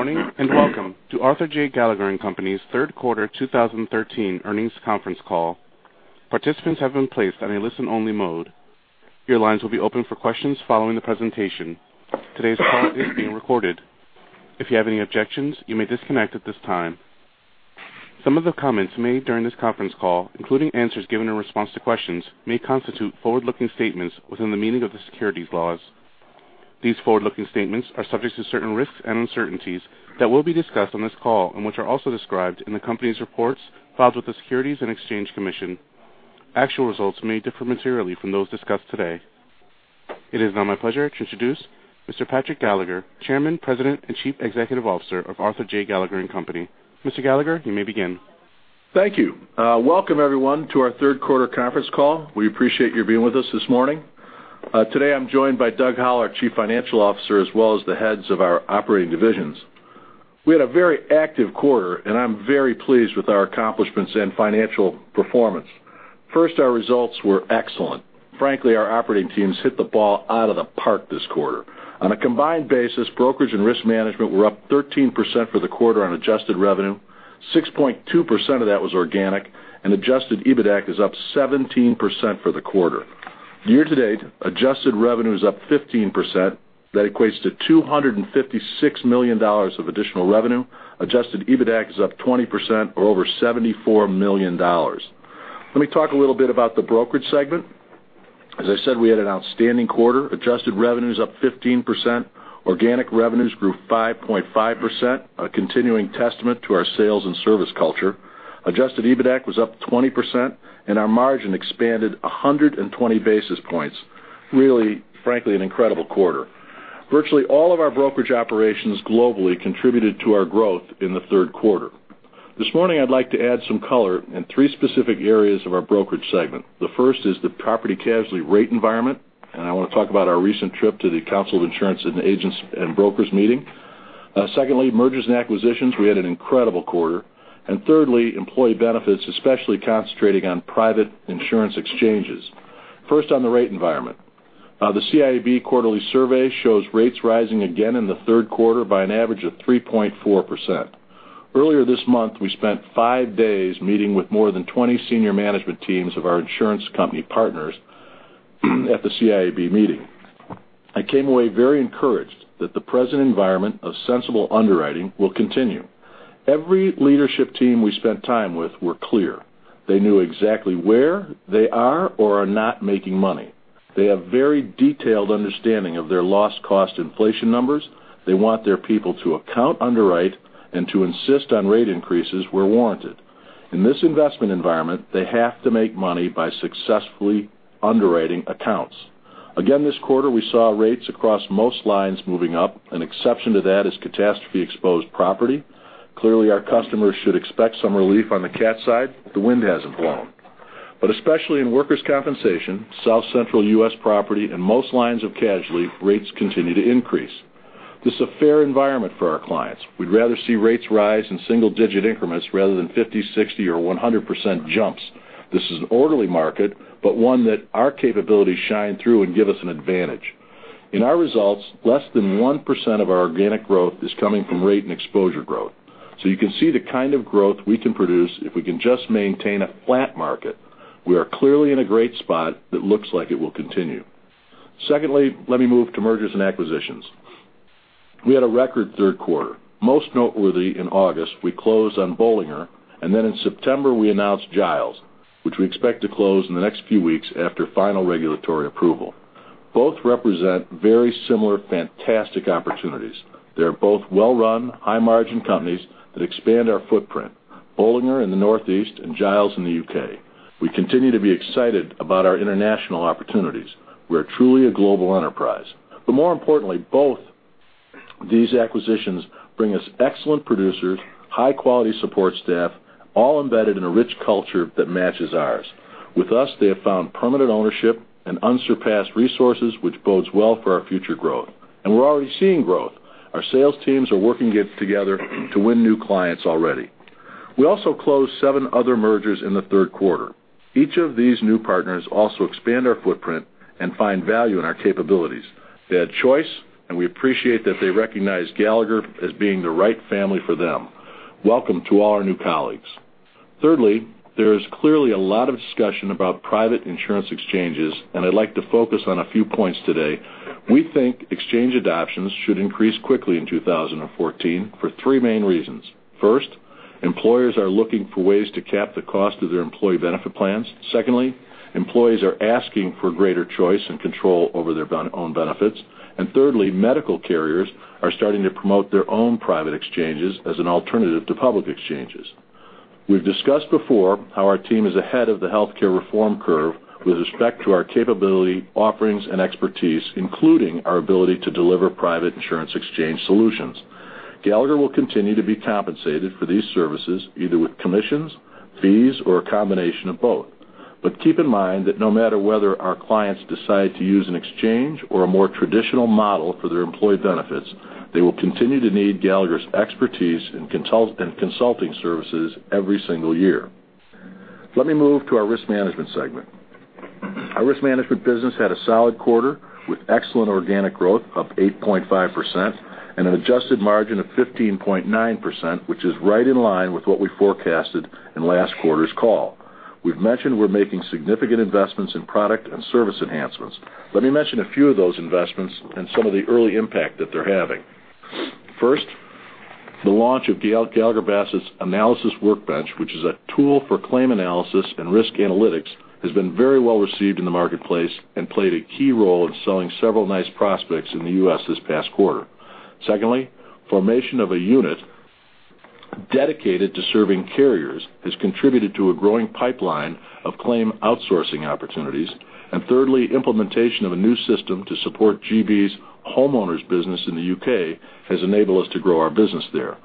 Good morning, welcome to Arthur J. Gallagher & Co.'s third quarter 2013 earnings conference call. Participants have been placed on a listen-only mode. Your lines will be open for questions following the presentation. Today's call is being recorded. If you have any objections, you may disconnect at this time. Some of the comments made during this conference call, including answers given in response to questions, may constitute forward-looking statements within the meaning of the securities laws. These forward-looking statements are subject to certain risks and uncertainties that will be discussed on this call and which are also described in the Company's reports filed with the Securities and Exchange Commission. Actual results may differ materially from those discussed today. It is now my pleasure to introduce Mr. Patrick Gallagher, Chairman, President, and Chief Executive Officer of Arthur J. Gallagher & Co.. Mr. Gallagher, you may begin. Thank you. Welcome everyone to our third quarter conference call. We appreciate you being with us this morning. Today, I'm joined by Doug Howell, our Chief Financial Officer, as well as the heads of our operating divisions. We had a very active quarter, and I'm very pleased with our accomplishments and financial performance. First, our results were excellent. Frankly, our operating teams hit the ball out of the park this quarter. On a combined basis, brokerage and risk management were up 13% for the quarter on adjusted revenue, 6.2% of that was organic, and adjusted EBITAC is up 17% for the quarter. Year-to-date, adjusted revenue is up 15%. That equates to $256 million of additional revenue. Adjusted EBITAC is up 20% or over $74 million. Let me talk a little bit about the brokerage segment. As I said, we had an outstanding quarter. Adjusted revenue is up 15%. Organic revenues grew 5.5%, a continuing testament to our sales and service culture. Adjusted EBITAC was up 20%, and our margin expanded 120 basis points. Really, frankly, an incredible quarter. Virtually all of our brokerage operations globally contributed to our growth in the third quarter. This morning, I'd like to add some color in three specific areas of our brokerage segment. The first is the property casualty rate environment, and I want to talk about our recent trip to the Council of Insurance Agents & Brokers meeting. Secondly, mergers and acquisitions, we had an incredible quarter. Thirdly, employee benefits, especially concentrating on private insurance exchanges. First on the rate environment. The CIAB quarterly survey shows rates rising again in the third quarter by an average of 3.4%. Earlier this month, we spent five days meeting with more than 20 senior management teams of our insurance company partners at the CIAB meeting. I came away very encouraged that the present environment of sensible underwriting will continue. Every leadership team we spent time with were clear. They knew exactly where they are or are not making money. They have very detailed understanding of their loss cost inflation numbers. They want their people to account underwrite and to insist on rate increases where warranted. In this investment environment, they have to make money by successfully underwriting accounts. Again, this quarter, we saw rates across most lines moving up. An exception to that is catastrophe-exposed property. Clearly, our customers should expect some relief on the cat side. The wind hasn't blown. Especially in workers' compensation, South Central U.S. property, and most lines of casualty, rates continue to increase. This is a fair environment for our clients. We'd rather see rates rise in single-digit increments rather than 50%, 60%, or 100% jumps. This is an orderly market, but one that our capabilities shine through and give us an advantage. In our results, less than 1% of our organic growth is coming from rate and exposure growth. You can see the kind of growth we can produce if we can just maintain a flat market. We are clearly in a great spot that looks like it will continue. Let me move to mergers and acquisitions. We had a record third quarter. Most noteworthy, in August, we closed on Bollinger. In September, we announced Giles, which we expect to close in the next few weeks after final regulatory approval. Both represent very similar fantastic opportunities. They are both well-run, high-margin companies that expand our footprint, Bollinger in the Northeast and Giles in the U.K. We continue to be excited about our international opportunities. We are truly a global enterprise. More importantly, both these acquisitions bring us excellent producers, high-quality support staff, all embedded in a rich culture that matches ours. With us, they have found permanent ownership and unsurpassed resources, which bodes well for our future growth. We're already seeing growth. Our sales teams are working together to win new clients already. We also closed seven other mergers in the third quarter. Each of these new partners also expand our footprint and find value in our capabilities. They had choice, and we appreciate that they recognize Gallagher as being the right family for them. Welcome to all our new colleagues. There is clearly a lot of discussion about private insurance exchanges, and I'd like to focus on a few points today. We think exchange adoptions should increase quickly in 2014 for three main reasons. First, employers are looking for ways to cap the cost of their employee benefit plans. Employees are asking for greater choice and control over their own benefits. Thirdly, medical carriers are starting to promote their own private exchanges as an alternative to public exchanges. We've discussed before how our team is ahead of the healthcare reform curve with respect to our capability, offerings, and expertise, including our ability to deliver private insurance exchange solutions. Gallagher will continue to be compensated for these services, either with commissions, fees, or a combination of both. Keep in mind that no matter whether our clients decide to use an exchange or a more traditional model for their employee benefits, they will continue to need Gallagher's expertise and consulting services every single year. Let me move to our risk management segment. Our risk management business had a solid quarter with excellent organic growth up 8.5% and an adjusted margin of 15.9%, which is right in line with what we forecasted in last quarter's call. We've mentioned we're making significant investments in product and service enhancements. Let me mention a few of those investments and some of the early impact that they're having. First, the launch of Gallagher Bassett's Analysis Workbench, which is a tool for claim analysis and risk analytics, has been very well received in the marketplace and played a key role in selling several nice prospects in the U.S. this past quarter. Secondly, formation of a unit dedicated to serving carriers has contributed to a growing pipeline of claim outsourcing opportunities. Thirdly, implementation of a new system to support GB's homeowners' business in the U.K. has enabled us to grow our business there.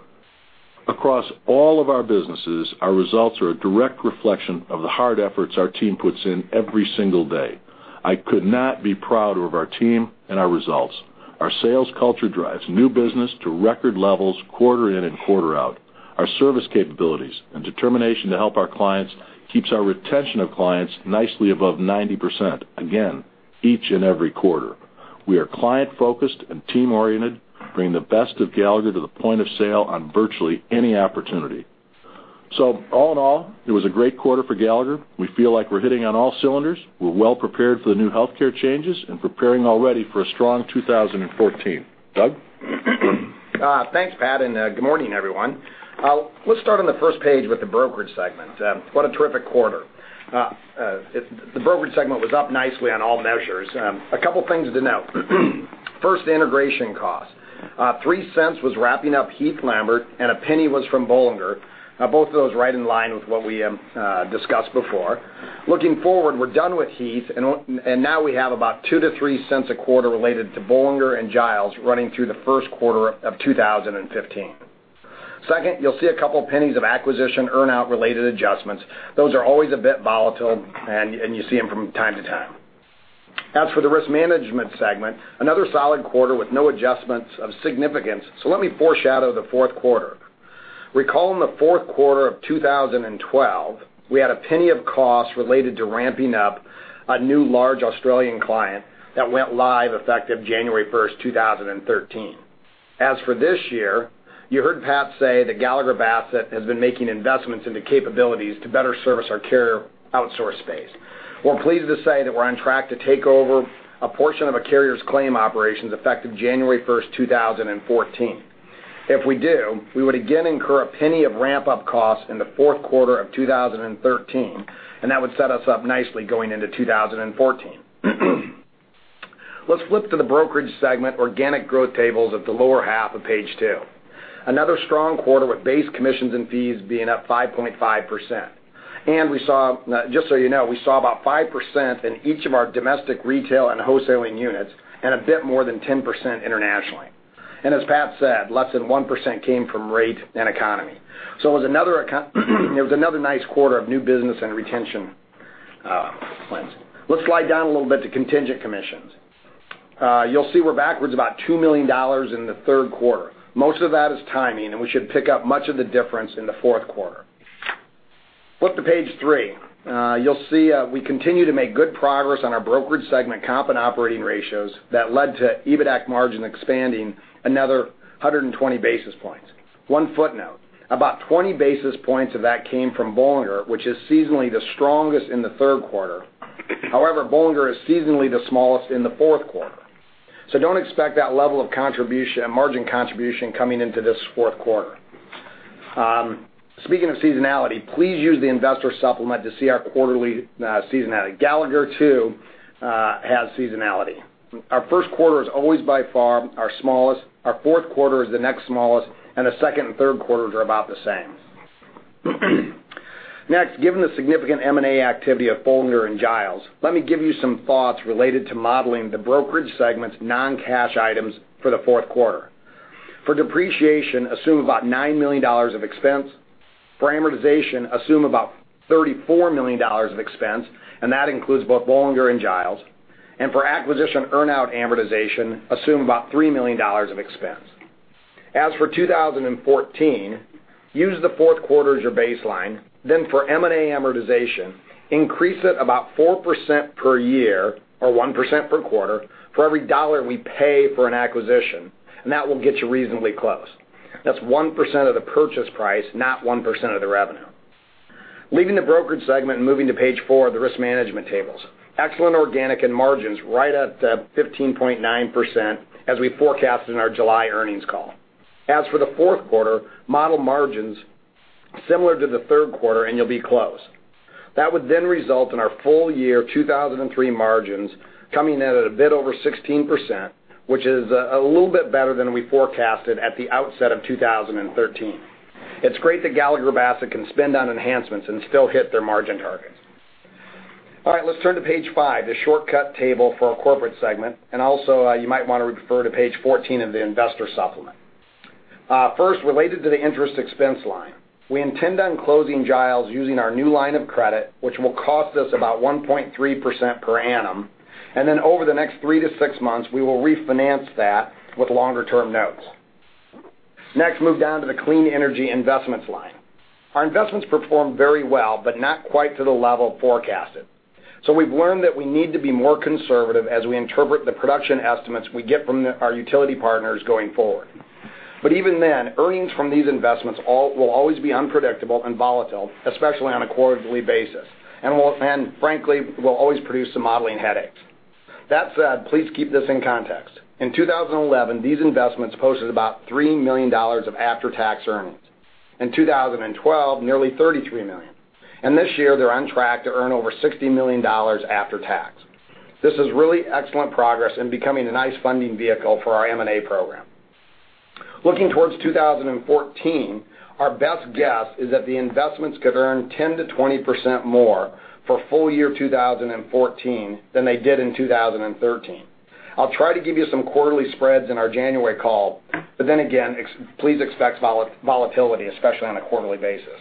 Across all of our businesses, our results are a direct reflection of the hard efforts our team puts in every single day. I could not be prouder of our team and our results. Our sales culture drives new business to record levels quarter in and quarter out. Our service capabilities and determination to help our clients keeps our retention of clients nicely above 90%, again, each and every quarter. We are client-focused and team-oriented, bringing the best of Gallagher to the point of sale on virtually any opportunity. All in all, it was a great quarter for Gallagher. We feel like we're hitting on all cylinders. We're well prepared for the new healthcare changes and preparing already for a strong 2014. Doug? Thanks, Pat, and good morning, everyone. Let's start on the first page with the brokerage segment. What a terrific quarter. The brokerage segment was up nicely on all measures. A couple things to note. First, integration cost. $0.03 was wrapping up Heath Lambert, and $0.01 was from Bollinger. Both of those right in line with what we discussed before. Looking forward, we're done with Heath, and now we have about $0.02-$0.03 a quarter related to Bollinger and Giles running through the first quarter of 2015. Second, you'll see a couple pennies of acquisition earn-out related adjustments. Those are always a bit volatile, and you see them from time to time. As for the risk management segment, another solid quarter with no adjustments of significance, let me foreshadow the fourth quarter. Recall in the fourth quarter of 2012, we had $0.01 of cost related to ramping up a new large Australian client that went live effective January 1st, 2013. As for this year, you heard Pat say that Gallagher Bassett has been making investments into capabilities to better service our carrier outsource space. We're pleased to say that we're on track to take over a portion of a carrier's claim operations effective January 1st, 2014. If we do, we would again incur $0.01 of ramp-up cost in the fourth quarter of 2013, and that would set us up nicely going into 2014. Let's flip to the brokerage segment organic growth tables at the lower half of page two. Another strong quarter with base commissions and fees being up 5.5%. Just so you know, we saw about 5% in each of our domestic retail and wholesaling units and a bit more than 10% internationally. As Pat said, less than 1% came from rate and economy. It was another nice quarter of new business and retention plans. Let's slide down a little bit to contingent commissions. You'll see we're backwards about $2 million in the third quarter. Most of that is timing, and we should pick up much of the difference in the fourth quarter. Flip to page three. You'll see we continue to make good progress on our brokerage segment comp and operating ratios that led to EBITAC margin expanding another 120 basis points. One footnote, about 20 basis points of that came from Bollinger, which is seasonally the strongest in the third quarter. However, Bollinger is seasonally the smallest in the fourth quarter. Don't expect that level of margin contribution coming into this fourth quarter. Speaking of seasonality, please use the investor supplement to see our quarterly seasonality. Gallagher, too, has seasonality. Our first quarter is always by far our smallest, our fourth quarter is the next smallest, and the second and third quarters are about the same. Next, given the significant M&A activity of Bollinger and Giles, let me give you some thoughts related to modeling the brokerage segment's non-cash items for the fourth quarter. For depreciation, assume about $9 million of expense. For amortization, assume about $34 million of expense, and that includes both Bollinger and Giles. For acquisition earn-out amortization, assume about $3 million of expense. As for 2014, use the fourth quarter as your baseline. For M&A amortization, increase it about 4% per year or 1% per quarter for every dollar we pay for an acquisition, and that will get you reasonably close. That's 1% of the purchase price, not 1% of the revenue. Leaving the brokerage segment and moving to page four, the risk management tables. Excellent organic and margins right at 15.9% as we forecasted in our July earnings call. As for the fourth quarter, model margins similar to the third quarter and you'll be close. That would result in our full year 2013 margins coming in at a bit over 16%, which is a little bit better than we forecasted at the outset of 2013. It's great that Gallagher Bassett can spend on enhancements and still hit their margin targets. All right. Let's turn to page five, the shortcut table for our corporate segment, and also, you might want to refer to page 14 of the investor supplement. First, related to the interest expense line. We intend on closing Giles using our new line of credit, which will cost us about 1.3% per annum, and then over the next three to six months, we will refinance that with longer-term notes. Next, move down to the clean energy investments line. Our investments performed very well, but not quite to the level forecasted. We've learned that we need to be more conservative as we interpret the production estimates we get from our utility partners going forward. Even then, earnings from these investments will always be unpredictable and volatile, especially on a quarterly basis, and frankly, will always produce some modeling headaches. That said, please keep this in context. In 2011, these investments posted about $3 million of after-tax earnings. In 2012, nearly $33 million. This year, they're on track to earn over $60 million after tax. This is really excellent progress in becoming a nice funding vehicle for our M&A program. Looking towards 2014, our best guess is that the investments could earn 10%-20% more for full year 2014 than they did in 2013. I'll try to give you some quarterly spreads in our January call. Then again, please expect volatility, especially on a quarterly basis.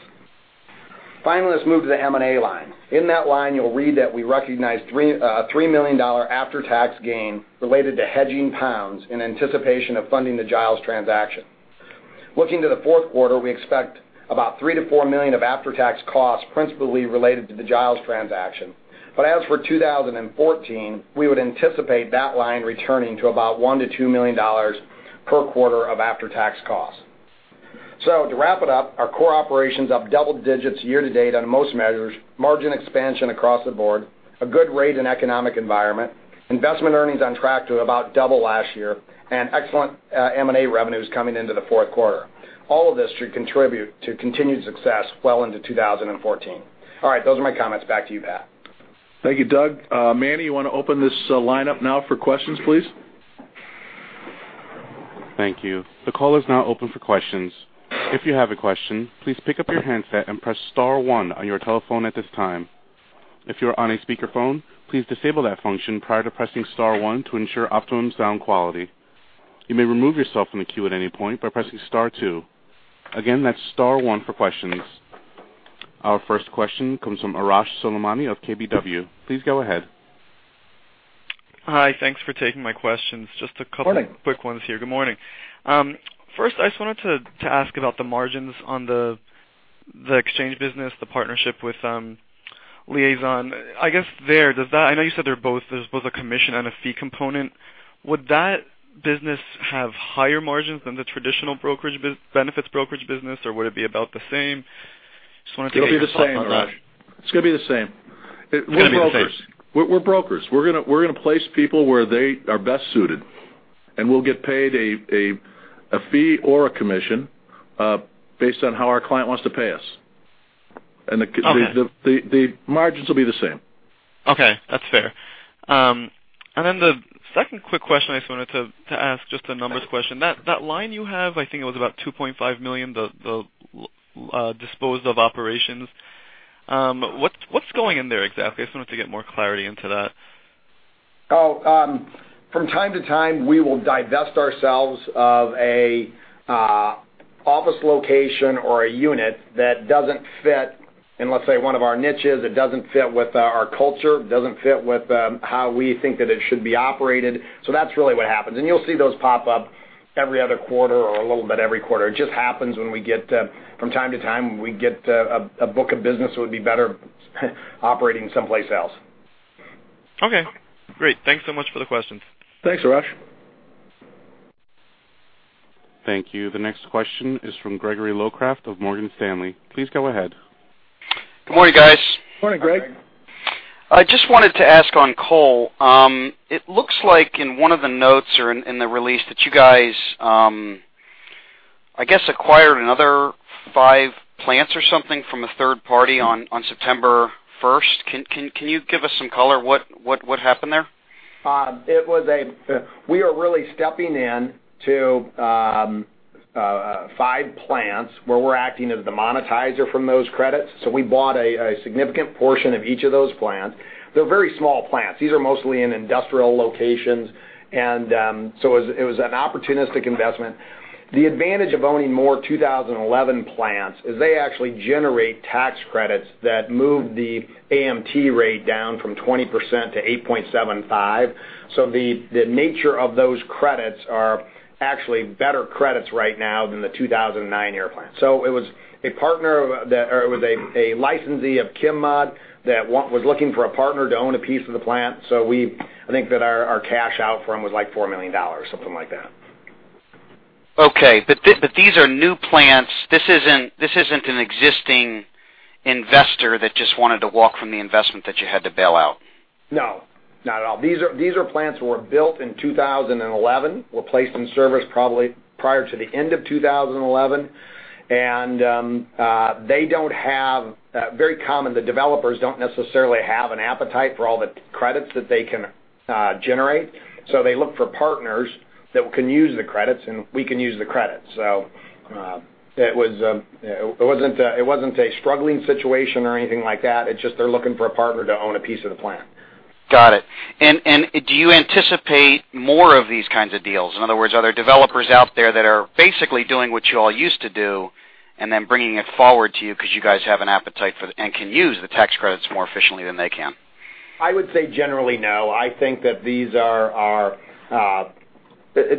Finally, let's move to the M&A line. In that line, you'll read that we recognized a $3 million after-tax gain related to hedging GBP in anticipation of funding the Giles transaction. Looking to the fourth quarter, we expect about $3 million-$4 million of after-tax costs, principally related to the Giles transaction. As for 2014, we would anticipate that line returning to about $1 million-$2 million per quarter of after-tax costs. To wrap it up, our core operations up double digits year to date on most measures, margin expansion across the board, a good rate and economic environment, investment earnings on track to about double last year, and excellent M&A revenues coming into the fourth quarter. All of this should contribute to continued success well into 2014. All right. Those are my comments. Back to you, Pat. Thank you, Doug. Manny, you want to open this line up now for questions, please? Thank you. The call is now open for questions. If you have a question, please pick up your handset and press star one on your telephone at this time. If you are on a speakerphone, please disable that function prior to pressing star one to ensure optimum sound quality. You may remove yourself from the queue at any point by pressing star two. Again, that's star one for questions. Our first question comes from Arash Soleimani of KBW. Please go ahead. Hi. Thanks for taking my questions. Morning. Just a couple of quick ones here. Good morning. First, I just wanted to ask about the margins on the exchange business, the partnership with Liazon. I know you said there's both a commission and a fee component. Would that business have higher margins than the traditional benefits brokerage business, or would it be about the same? Just wanted to get your thoughts on that. It's going to be the same. We're brokers. We're going to place people where they are best suited, and we'll get paid a fee or a commission, based on how our client wants to pay us. Okay. The margins will be the same. Okay. That's fair. Then the second quick question I just wanted to ask, just a numbers question. That line you have, I think it was about $2.5 million, the disposed of operations. What's going in there exactly? I just wanted to get more clarity into that. From time to time, we will divest ourselves of an office location or a unit that doesn't fit in, let's say, one of our niches. It doesn't fit with our culture, doesn't fit with how we think that it should be operated. That's really what happens, and you'll see those pop up every other quarter or a little bit every quarter. It just happens from time to time, when we get a book of business that would be better operating someplace else. Okay, great. Thanks so much for the questions. Thanks, Arash. Thank you. The next question is from Gregory Locraft of Morgan Stanley. Please go ahead. Good morning, guys. Morning, Greg. I just wanted to ask on coal. It looks like in one of the notes or in the release that you guys, I guess, acquired another five plants or something from a third party on September 1st. Can you give us some color what happened there? We are really stepping in to five plants where we're acting as the monetizer from those credits. We bought a significant portion of each of those plants. They're very small plants. These are mostly in industrial locations, it was an opportunistic investment. The advantage of owning more 2011 plants is they actually generate tax credits that move the AMT rate down from 20% to 8.75%. The nature of those credits are actually better credits right now than the 2009 year plants. It was a licensee of Chem-Mod that was looking for a partner to own a piece of the plant. I think that our cash out from them was like $4 million, something like that. Okay. These are new plants. This isn't an existing investor that just wanted to walk from the investment that you had to bail out? No, not at all. These are plants that were built in 2011, were placed in service probably prior to the end of 2011. Very common, the developers don't necessarily have an appetite for all the credits that they can generate, they look for partners that can use the credits, we can use the credits. It wasn't a struggling situation or anything like that. It's just they're looking for a partner to own a piece of the plant. Got it. Do you anticipate more of these kinds of deals? In other words, are there developers out there that are basically doing what you all used to do and then bringing it forward to you because you guys have an appetite for and can use the tax credits more efficiently than they can? I would say generally, no.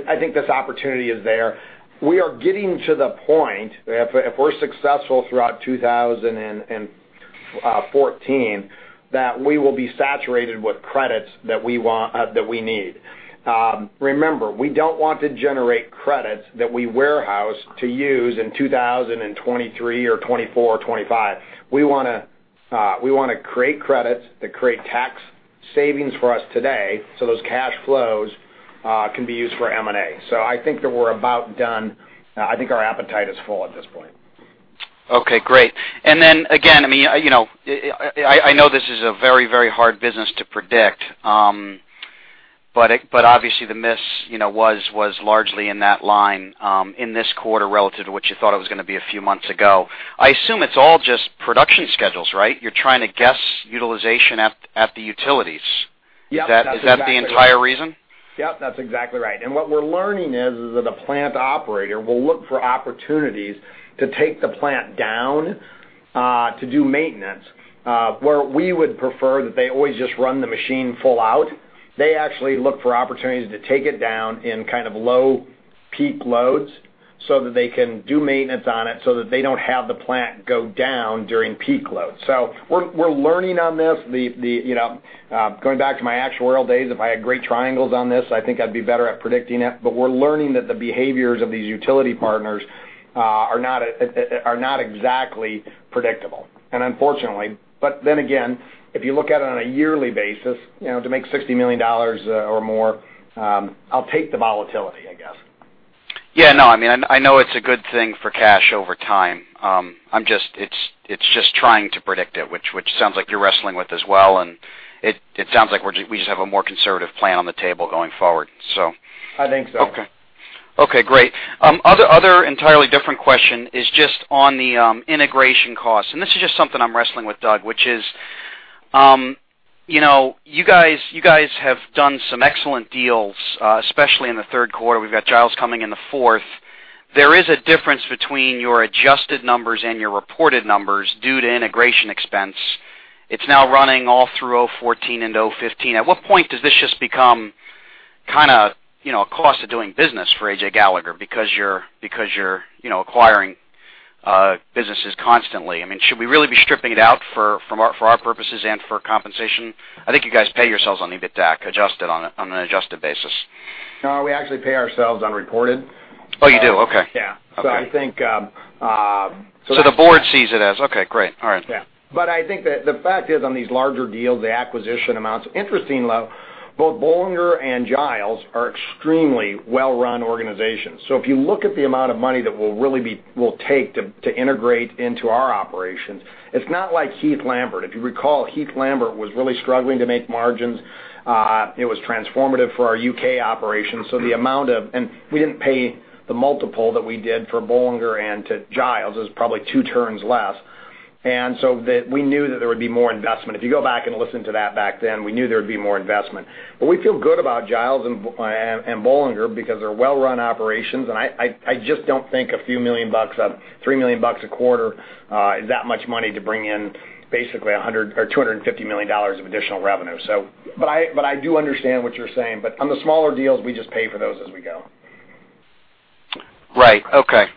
I think this opportunity is there. We are getting to the point, if we're successful throughout 2014, that we will be saturated with credits that we need. Remember, we don't want to generate credits that we warehouse to use in 2023 or 2024 or 2025. We want to create credits that create tax savings for us today, so those cash flows can be used for M&A. I think that we're about done. I think our appetite is full at this point. Okay, great. Again, I know this is a very, very hard business to predict. Obviously the miss was largely in that line, in this quarter relative to what you thought it was going to be a few months ago. I assume it's all just production schedules, right? You're trying to guess utilization at the utilities. Yep. Is that the entire reason? Yep, that's exactly right. What we're learning is that a plant operator will look for opportunities to take the plant down to do maintenance. Where we would prefer that they always just run the machine full out, they actually look for opportunities to take it down in kind of low peak loads so that they can do maintenance on it so that they don't have the plant go down during peak loads. We're learning on this. Going back to my actuarial days, if I had great triangles on this, I think I'd be better at predicting it, but we're learning that the behaviors of these utility partners are not exactly predictable, and unfortunately. Again, if you look at it on a yearly basis, to make $60 million or more, I'll take the volatility, I guess. Yeah. I know it's a good thing for cash over time. It's just trying to predict it, which sounds like you're wrestling with as well, and it sounds like we just have a more conservative plan on the table going forward. I think so. Okay. Okay, great. Other entirely different question is just on the integration cost, and this is just something I'm wrestling with, Doug, which is, you guys have done some excellent deals, especially in the third quarter. We've got Giles coming in the fourth. There is a difference between your adjusted numbers and your reported numbers due to integration expense. It's now running all through 2014 and 2015. At what point does this just become kind of a cost of doing business for AJ Gallagher because you're acquiring businesses constantly? Should we really be stripping it out for our purposes and for compensation? I think you guys pay yourselves on EBITDA on an adjusted basis. No, we actually pay ourselves on reported. Oh, you do? Okay. Yeah. Okay. The board sees it as okay, great. All right. Yeah. I think that the fact is on these larger deals, the acquisition amounts, interesting though, both Bollinger and Giles are extremely well-run organizations. If you look at the amount of money that we'll take to integrate into our operations, it's not like Heath Lambert. If you recall, Heath Lambert was really struggling to make margins. It was transformative for our U.K. operations. We didn't pay the multiple that we did for Bollinger and to Giles. It was probably two turns less. We knew that there would be more investment. If you go back and listen to that back then, we knew there would be more investment. We feel good about Giles and Bollinger because they're well-run operations, and I just don't think a few million dollars, $3 million a quarter, is that much money to bring in basically $250 million of additional revenue. I do understand what you're saying. On the smaller deals, we just pay for those as we go. Right. Okay.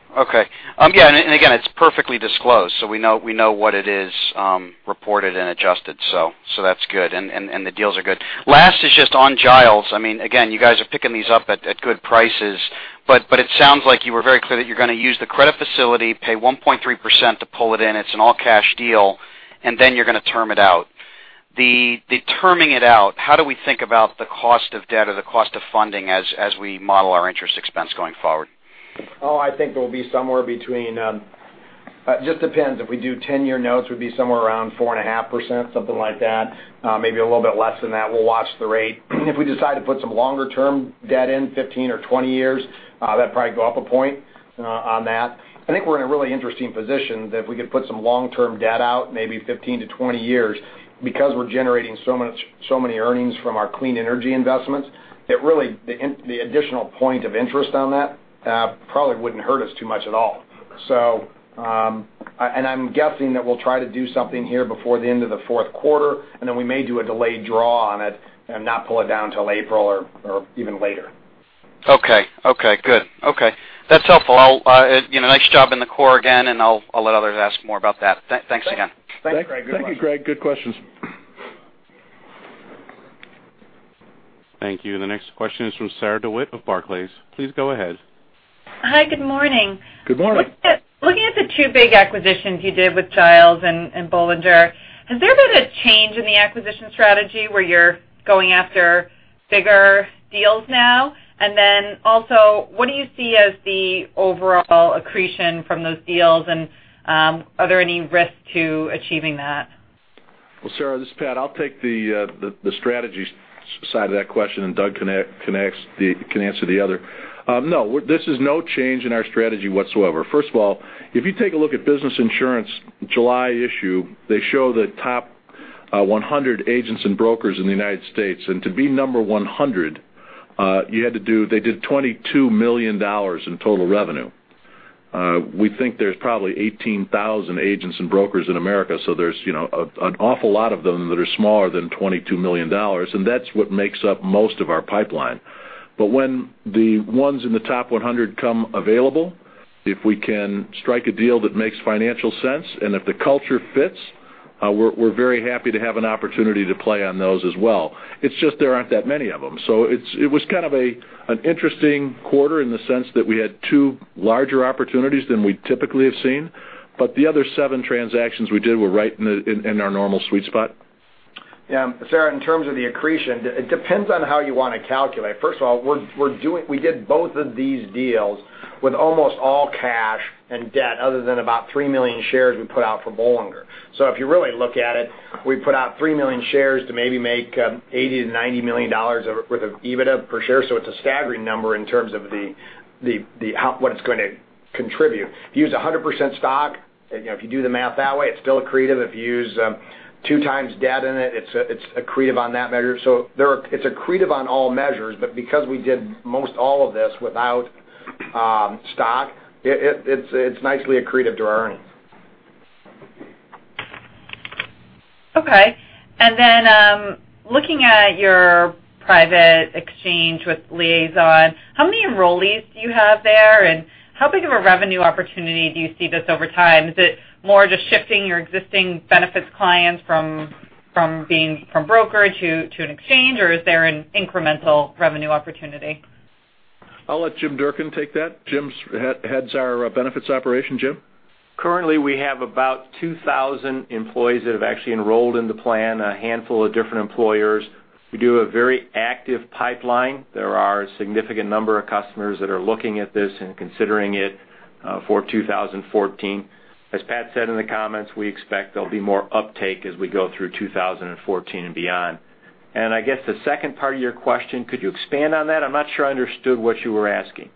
Again, it's perfectly disclosed, so we know what it is reported and adjusted. That's good. The deals are good. Last is just on Giles. Again, you guys are picking these up at good prices. It sounds like you were very clear that you're going to use the credit facility, pay 1.3% to pull it in. It's an all-cash deal. You're going to term it out. The terming it out, how do we think about the cost of debt or the cost of funding as we model our interest expense going forward? I think it'll be. It just depends. If we do 10-year notes, it would be somewhere around 4.5%, something like that. Maybe a little bit less than that. We'll watch the rate. If we decide to put some longer-term debt in, 15 or 20 years, that'd probably go up a point on that. I think we're in a really interesting position that if we could put some long-term debt out, maybe 15 to 20 years, because we're generating so many earnings from our clean energy investments, the additional point of interest on that probably wouldn't hurt us too much at all. I'm guessing that we'll try to do something here before the end of the fourth quarter. We may do a delayed draw on it and not pull it down until April or even later. Okay, good. Okay. That's helpful. Nice job in the core again. I'll let others ask more about that. Thanks again. Thanks, Greg. Thank you, Greg. Good questions. Thank you. The next question is from Sarah DeWitt of Barclays. Please go ahead. Hi, good morning. Good morning. Looking at the two big acquisitions you did with Giles and Bollinger, has there been a change in the acquisition strategy where you're going after bigger deals now? Also, what do you see as the overall accretion from those deals? Are there any risks to achieving that? Well, Sarah, this is Pat. I'll take the strategy side of that question, Doug can answer the other. No, this is no change in our strategy whatsoever. First of all, if you take a look at Business Insurance July issue, they show the top 100 agents and brokers in the U.S. To be number 100, they did $22 million in total revenue. We think there's probably 18,000 agents and brokers in America, there's an awful lot of them that are smaller than $22 million, that's what makes up most of our pipeline. When the ones in the top 100 become available, if we can strike a deal that makes financial sense, if the culture fits, we're very happy to have an opportunity to play on those as well. It's just there aren't that many of them. It was kind of an interesting quarter in the sense that we had two larger opportunities than we typically have seen, the other seven transactions we did were right in our normal sweet spot. Yeah. Sarah, in terms of the accretion, it depends on how you want to calculate. First of all, we did both of these deals with almost all cash and debt other than about 3 million shares we put out for Bollinger. If you really look at it, we put out 3 million shares to maybe make $80 million-$90 million worth of EBITDA per share. It's a staggering number in terms of what it's going to contribute. If you use 100% stock, if you do the math that way, it's still accretive. If you use two times debt in it's accretive on that measure. It's accretive on all measures, because we did most all of this without stock, it's nicely accretive to our earnings. Okay. Looking at your private exchange with Liazon, how many enrollees do you have there? How big of a revenue opportunity do you see this over time? Is it more just shifting your existing benefits clients from broker to an exchange, or is there an incremental revenue opportunity? I'll let Jim Durkin take that. Jim heads our benefits operation. Jim? Currently, we have about 2,000 employees that have actually enrolled in the plan, a handful of different employers. We do a very active pipeline. There are a significant number of customers that are looking at this and considering it for 2014. As Pat said in the comments, we expect there'll be more uptake as we go through 2014 and beyond. I guess the second part of your question, could you expand on that? I'm not sure I understood what you were asking.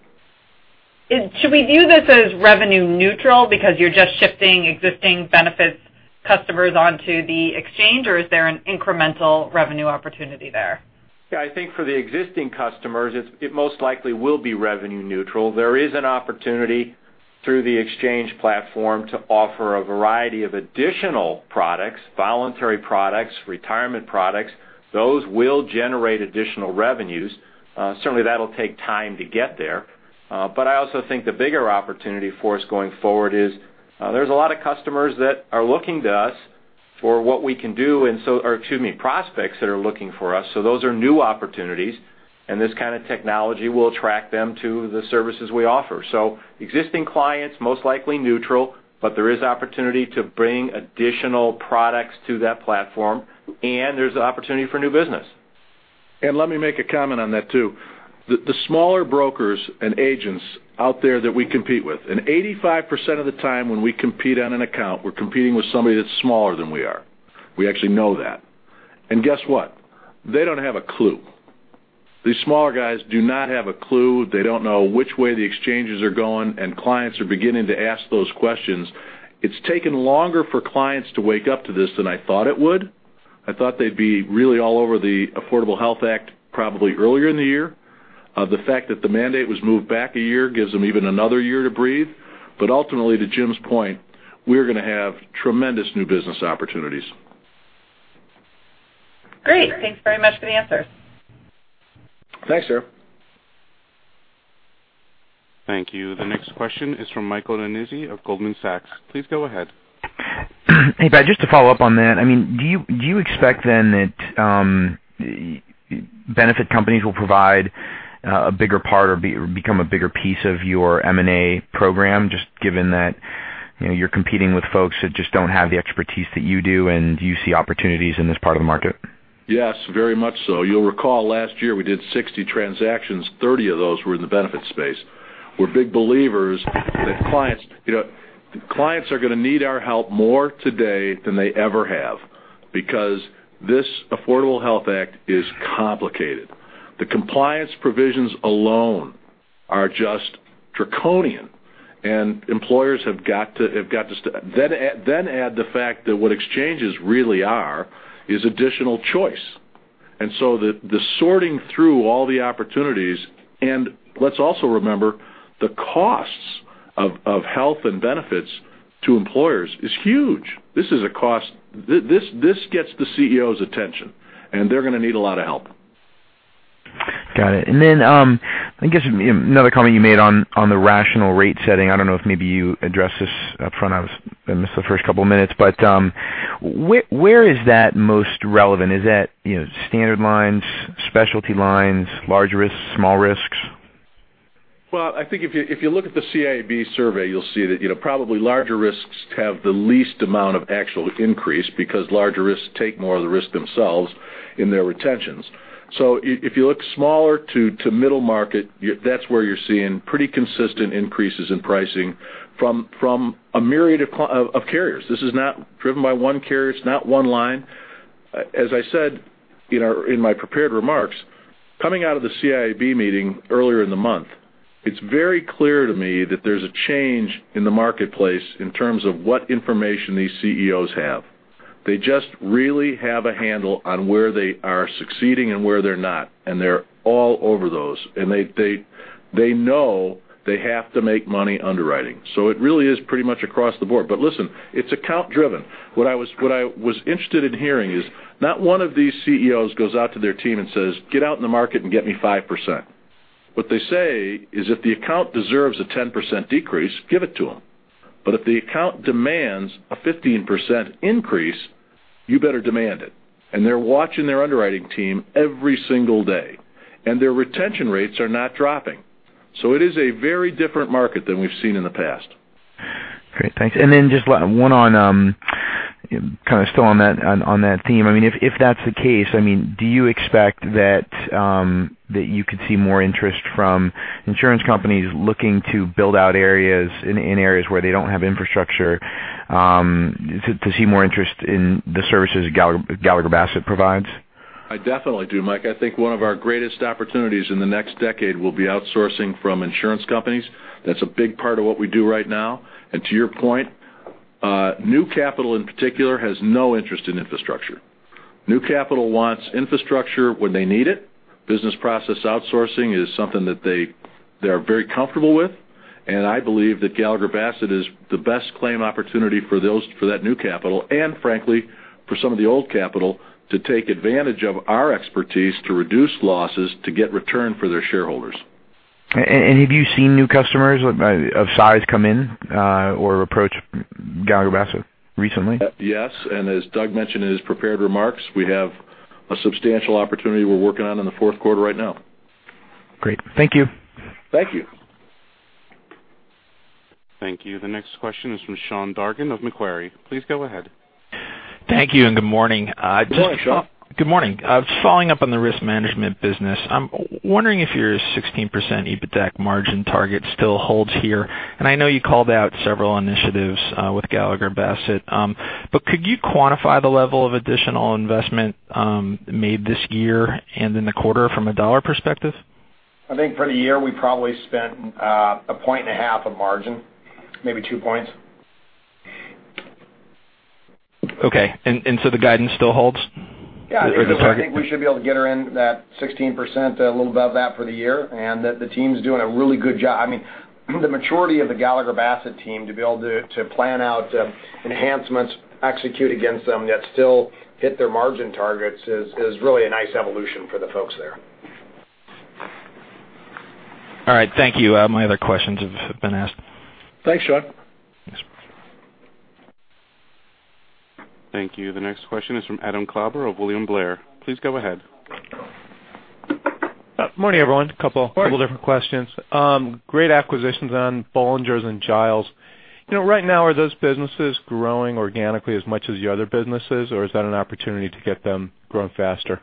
Should we view this as revenue neutral because you're just shifting existing benefits customers onto the exchange, or is there an incremental revenue opportunity there? I think for the existing customers, it most likely will be revenue neutral. There is an opportunity through the exchange platform to offer a variety of additional products, voluntary products, retirement products. Those will generate additional revenues. Certainly, that'll take time to get there. I also think the bigger opportunity for us going forward is there's a lot of customers that are looking to us for what we can do, or excuse me, prospects that are looking for us, so those are new opportunities, and this kind of technology will attract them to the services we offer. Existing clients, most likely neutral, but there is opportunity to bring additional products to that platform, and there's an opportunity for new business. Let me make a comment on that, too. The smaller brokers and agents out there that we compete with, and 85% of the time when we compete on an account, we're competing with somebody that's smaller than we are. We actually know that. Guess what? They don't have a clue. These smaller guys do not have a clue. They don't know which way the exchanges are going, and clients are beginning to ask those questions. It's taken longer for clients to wake up to this than I thought it would. I thought they'd be really all over the Affordable Care Act probably earlier in the year. The fact that the mandate was moved back a year gives them even another year to breathe. Ultimately, to Jim's point, we're going to have tremendous new business opportunities. Great. Thanks very much for the answers. Thanks, Sarah. Thank you. The next question is from Michael Nannizzi of Goldman Sachs. Please go ahead. Hey, Pat, just to follow up on that, do you expect then that benefit companies will provide a bigger part or become a bigger piece of your M&A program, just given that you're competing with folks that just don't have the expertise that you do, and do you see opportunities in this part of the market? Yes, very much so. You'll recall last year we did 60 transactions, 30 of those were in the benefits space. We're big believers that clients are going to need our help more today than they ever have because this Affordable Care Act is complicated. The compliance provisions alone are just draconian, employers have to add the fact that what exchanges really are is additional choice. The sorting through all the opportunities, let's also remember the costs of health and benefits to employers is huge. This gets the CEO's attention, they're going to need a lot of help. Got it. I guess another comment you made on the rational rate setting, I don't know if maybe you addressed this upfront. I missed the first couple of minutes, where is that most relevant? Is that standard lines, specialty lines, large risks, small risks? Well, I think if you look at the CIAB survey, you'll see that probably larger risks have the least amount of actual increase because larger risks take more of the risk themselves in their retentions. If you look smaller to middle market, that's where you're seeing pretty consistent increases in pricing from a myriad of carriers. This is not driven by one carrier. It's not one line. As I said in my prepared remarks, coming out of the CIAB meeting earlier in the month, it's very clear to me that there's a change in the marketplace in terms of what information these CEOs have. They just really have a handle on where they are succeeding and where they're not, and they're all over those. They know they have to make money underwriting. It really is pretty much across the board. Listen, it's account driven. What I was interested in hearing is, not one of these CEOs goes out to their team and says, "Get out in the market and get me 5%." What they say is, if the account deserves a 10% decrease, give it to them. If the account demands a 15% increase, you better demand it. They're watching their underwriting team every single day, and their retention rates are not dropping. It is a very different market than we've seen in the past. Great. Thanks. Then just one on, kind of still on that theme. If that's the case, do you expect that you could see more interest from insurance companies looking to build out areas in areas where they don't have infrastructure, to see more interest in the services Gallagher Bassett provides? I definitely do, Mike. I think one of our greatest opportunities in the next decade will be outsourcing from insurance companies. That's a big part of what we do right now. To your point, New Capital, in particular, has no interest in infrastructure. New Capital wants infrastructure when they need it. Business process outsourcing is something that they are very comfortable with, and I believe that Gallagher Bassett is the best claim opportunity for that New Capital and frankly, for some of the old capital to take advantage of our expertise to reduce losses, to get return for their shareholders. Have you seen new customers of size come in, or approach Gallagher Bassett recently? Yes. As Doug mentioned in his prepared remarks, we have a substantial opportunity we're working on in the fourth quarter right now. Great. Thank you. Thank you. Thank you. The next question is from Sean Dargan of Macquarie. Please go ahead. Thank you, good morning. Good morning, Sean. Good morning. Just following up on the risk management business. I'm wondering if your 16% EBITDA margin target still holds here. I know you called out several initiatives with Gallagher Bassett. Could you quantify the level of additional investment made this year and in the quarter from a dollar perspective? I think for the year, we probably spent a point and a half of margin, maybe two points. Okay. The guidance still holds for the target? Yeah, I think we should be able to get around that 16%, a little above that for the year, and the team's doing a really good job. The maturity of the Gallagher Bassett team to be able to plan out enhancements, execute against them, yet still hit their margin targets is really a nice evolution for the folks there. All right. Thank you. My other questions have been asked. Thanks, Sean. Thanks. Thank you. The next question is from Adam Klauber of William Blair. Please go ahead. Morning, everyone. Morning different questions. Great acquisitions on Bollinger and Giles. Right now, are those businesses growing organically as much as your other businesses, or is that an opportunity to get them growing faster?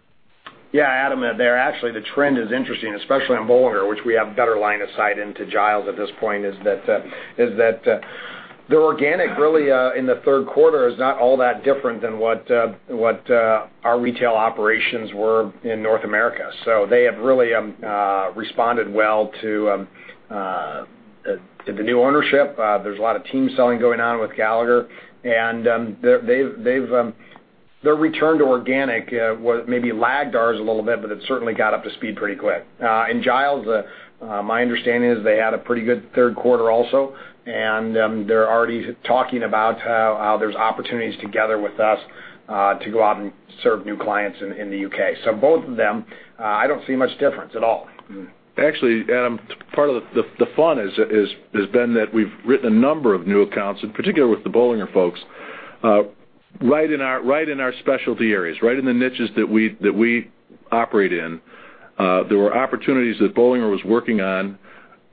Adam, actually, the trend is interesting, especially on Bollinger, which we have better line of sight into Giles at this point, is that the organic really in the third quarter is not all that different than what our retail operations were in North America. They have really responded well to the new ownership. There's a lot of team selling going on with Gallagher, their return to organic, maybe lagged ours a little bit, but it certainly got up to speed pretty quick. In Giles, my understanding is they had a pretty good third quarter also, they're already talking about how there's opportunities together with us, to go out and serve new clients in the U.K. Both of them, I don't see much difference at all. Actually, Adam, part of the fun has been that we've written a number of new accounts, in particular with the Bollinger folks, right in our specialty areas, right in the niches that we operate in. There were opportunities that Bollinger was working on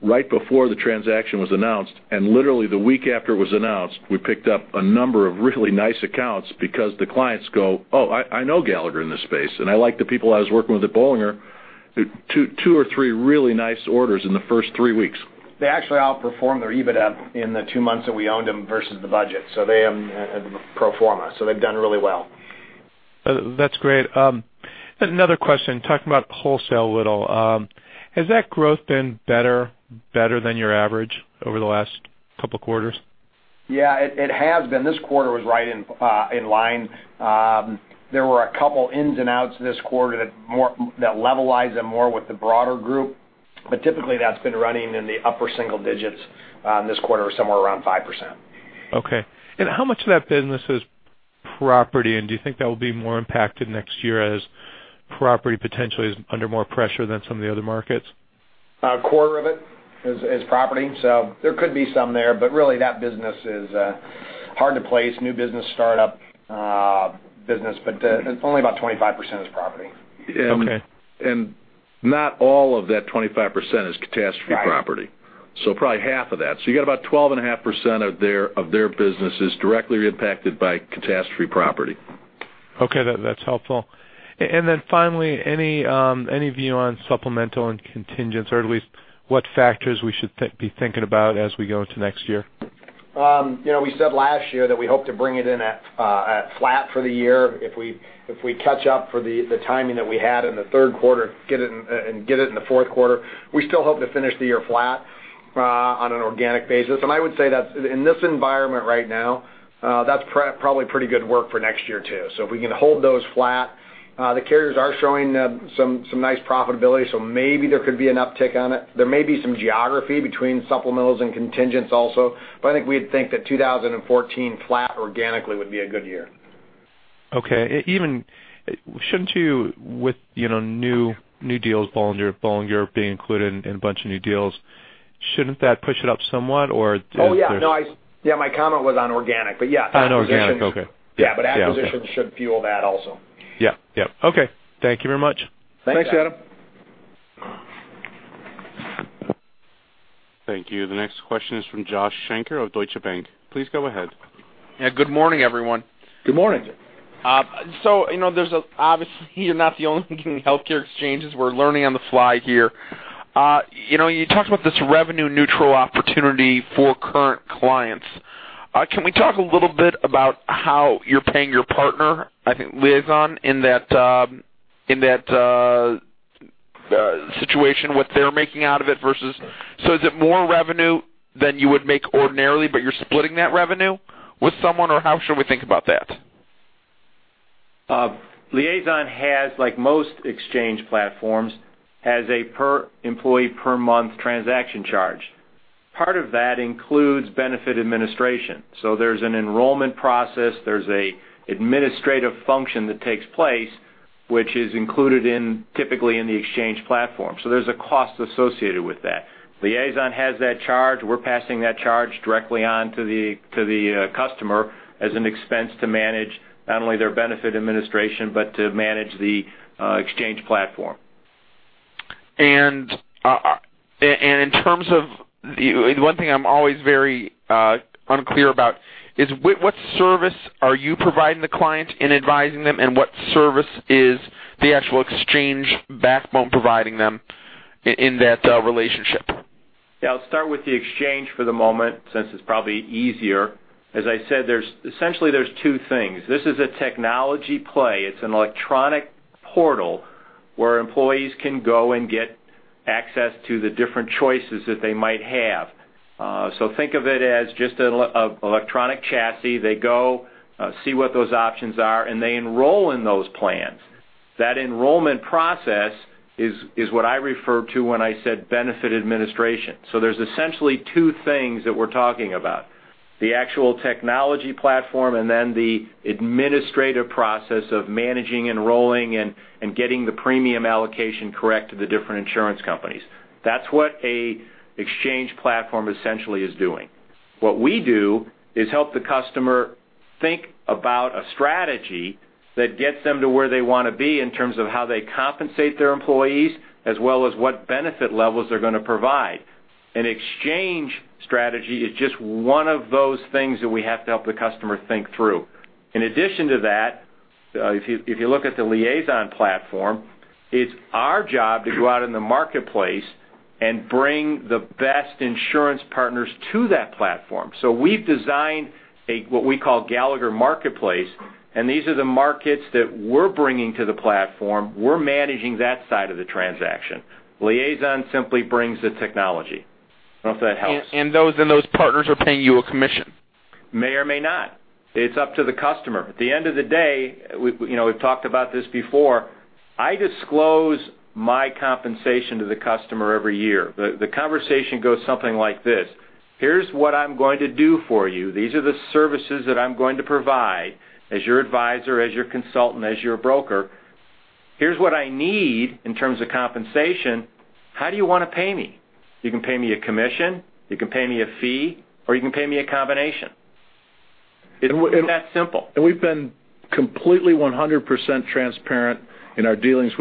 right before the transaction was announced, literally the week after it was announced, we picked up a number of really nice accounts because the clients go, "Oh, I know Gallagher in this space, and I like the people I was working with at Bollinger." two or three really nice orders in the first three weeks. They actually outperformed their EBITDA in the two months that we owned them versus the budget. They pro forma. They've done really well. That's great. Another question, talking about wholesale a little. Has that growth been better than your average over the last couple of quarters? Yeah, it has been. This quarter was right in line. There were a couple ins and outs this quarter that levelized them more with the broader group, typically that's been running in the upper single digits. This quarter was somewhere around 5%. Okay. How much of that business is property, and do you think that will be more impacted next year as property potentially is under more pressure than some of the other markets? A quarter of it is property. There could be some there. Really, that business is hard to place, new business startup business, only about 25% is property. Okay. Not all of that 25% is catastrophe property. Right. Probably half of that. You got about 12.5% of their business is directly impacted by catastrophe property. Okay. That's helpful. Finally, any view on supplemental and contingents, or at least what factors we should be thinking about as we go into next year? We said last year that we hope to bring it in at flat for the year. If we catch up for the timing that we had in the third quarter and get it in the fourth quarter, we still hope to finish the year flat on an organic basis. I would say that in this environment right now, that's probably pretty good work for next year, too. If we can hold those flat The carriers are showing some nice profitability, so maybe there could be an uptick on it. There may be some geography between supplementals and contingents also, but I think we'd think that 2014 flat organically would be a good year. Okay. Shouldn't you, with new deals, Bollinger Europe being included in a bunch of new deals, shouldn't that push it up somewhat, or? Oh, yeah. No. Yeah, my comment was on organic, but yeah. On organic. Okay. Yeah. Acquisitions should fuel that also. Yeah. Okay. Thank you very much. Thanks, Adam. Thank you. The next question is from Joshua Shanker of Deutsche Bank. Please go ahead. Yeah. Good morning, everyone. Good morning. Obviously, you're not the only one in healthcare exchanges. We're learning on the fly here. You talked about this revenue-neutral opportunity for current clients. Can we talk a little bit about how you're paying your partner, I think Liazon, in that situation, what they're making out of it versus. Is it more revenue than you would make ordinarily, but you're splitting that revenue with someone, or how should we think about that? Liazon has, like most exchange platforms, a per employee per month transaction charge. Part of that includes benefit administration. There's an enrollment process, there's an administrative function that takes place, which is included typically in the exchange platform. There's a cost associated with that. Liazon has that charge. We're passing that charge directly on to the customer as an expense to manage not only their benefit administration, but to manage the exchange platform. In terms of, one thing I'm always very unclear about is what service are you providing the client in advising them, and what service is the actual exchange backbone providing them in that relationship? I'll start with the exchange for the moment, since it's probably easier. As I said, essentially there's two things. This is a technology play. It's an electronic portal where employees can go and get access to the different choices that they might have. Think of it as just an electronic chassis. They go, see what those options are, and they enroll in those plans. That enrollment process is what I refer to when I said benefit administration. There's essentially two things that we're talking about, the actual technology platform and then the administrative process of managing, enrolling, and getting the premium allocation correct to the different insurance companies. That's what an exchange platform essentially is doing. What we do is help the customer think about a strategy that gets them to where they want to be in terms of how they compensate their employees, as well as what benefit levels they're going to provide. An exchange strategy is just one of those things that we have to help the customer think through. In addition to that, if you look at the Liazon platform, it's our job to go out in the marketplace and bring the best insurance partners to that platform. We've designed what we call Gallagher Marketplace, and these are the markets that we're bringing to the platform. We're managing that side of the transaction. Liazon simply brings the technology. I hope that helps. Those partners are paying you a commission? May or may not. It's up to the customer. At the end of the day, we've talked about this before, I disclose my compensation to the customer every year. The conversation goes something like this, "Here's what I'm going to do for you. These are the services that I'm going to provide as your advisor, as your consultant, as your broker. Here's what I need in terms of compensation. How do you want to pay me? You can pay me a commission, you can pay me a fee, or you can pay me a combination." It's that simple. We've been completely 100% transparent in our dealings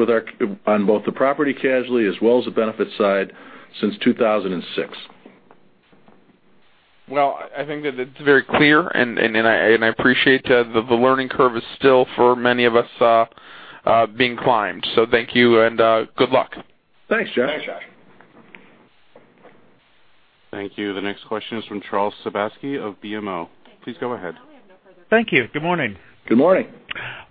on both the property casualty as well as the benefit side since 2006. Well, I think that it's very clear, I appreciate the learning curve is still, for many of us, being climbed. Thank you, and good luck. Thanks, Josh. Thanks, Josh. Thank you. The next question is from Charles Sebaski of BMO. Please go ahead. Thank you. Good morning. Good morning.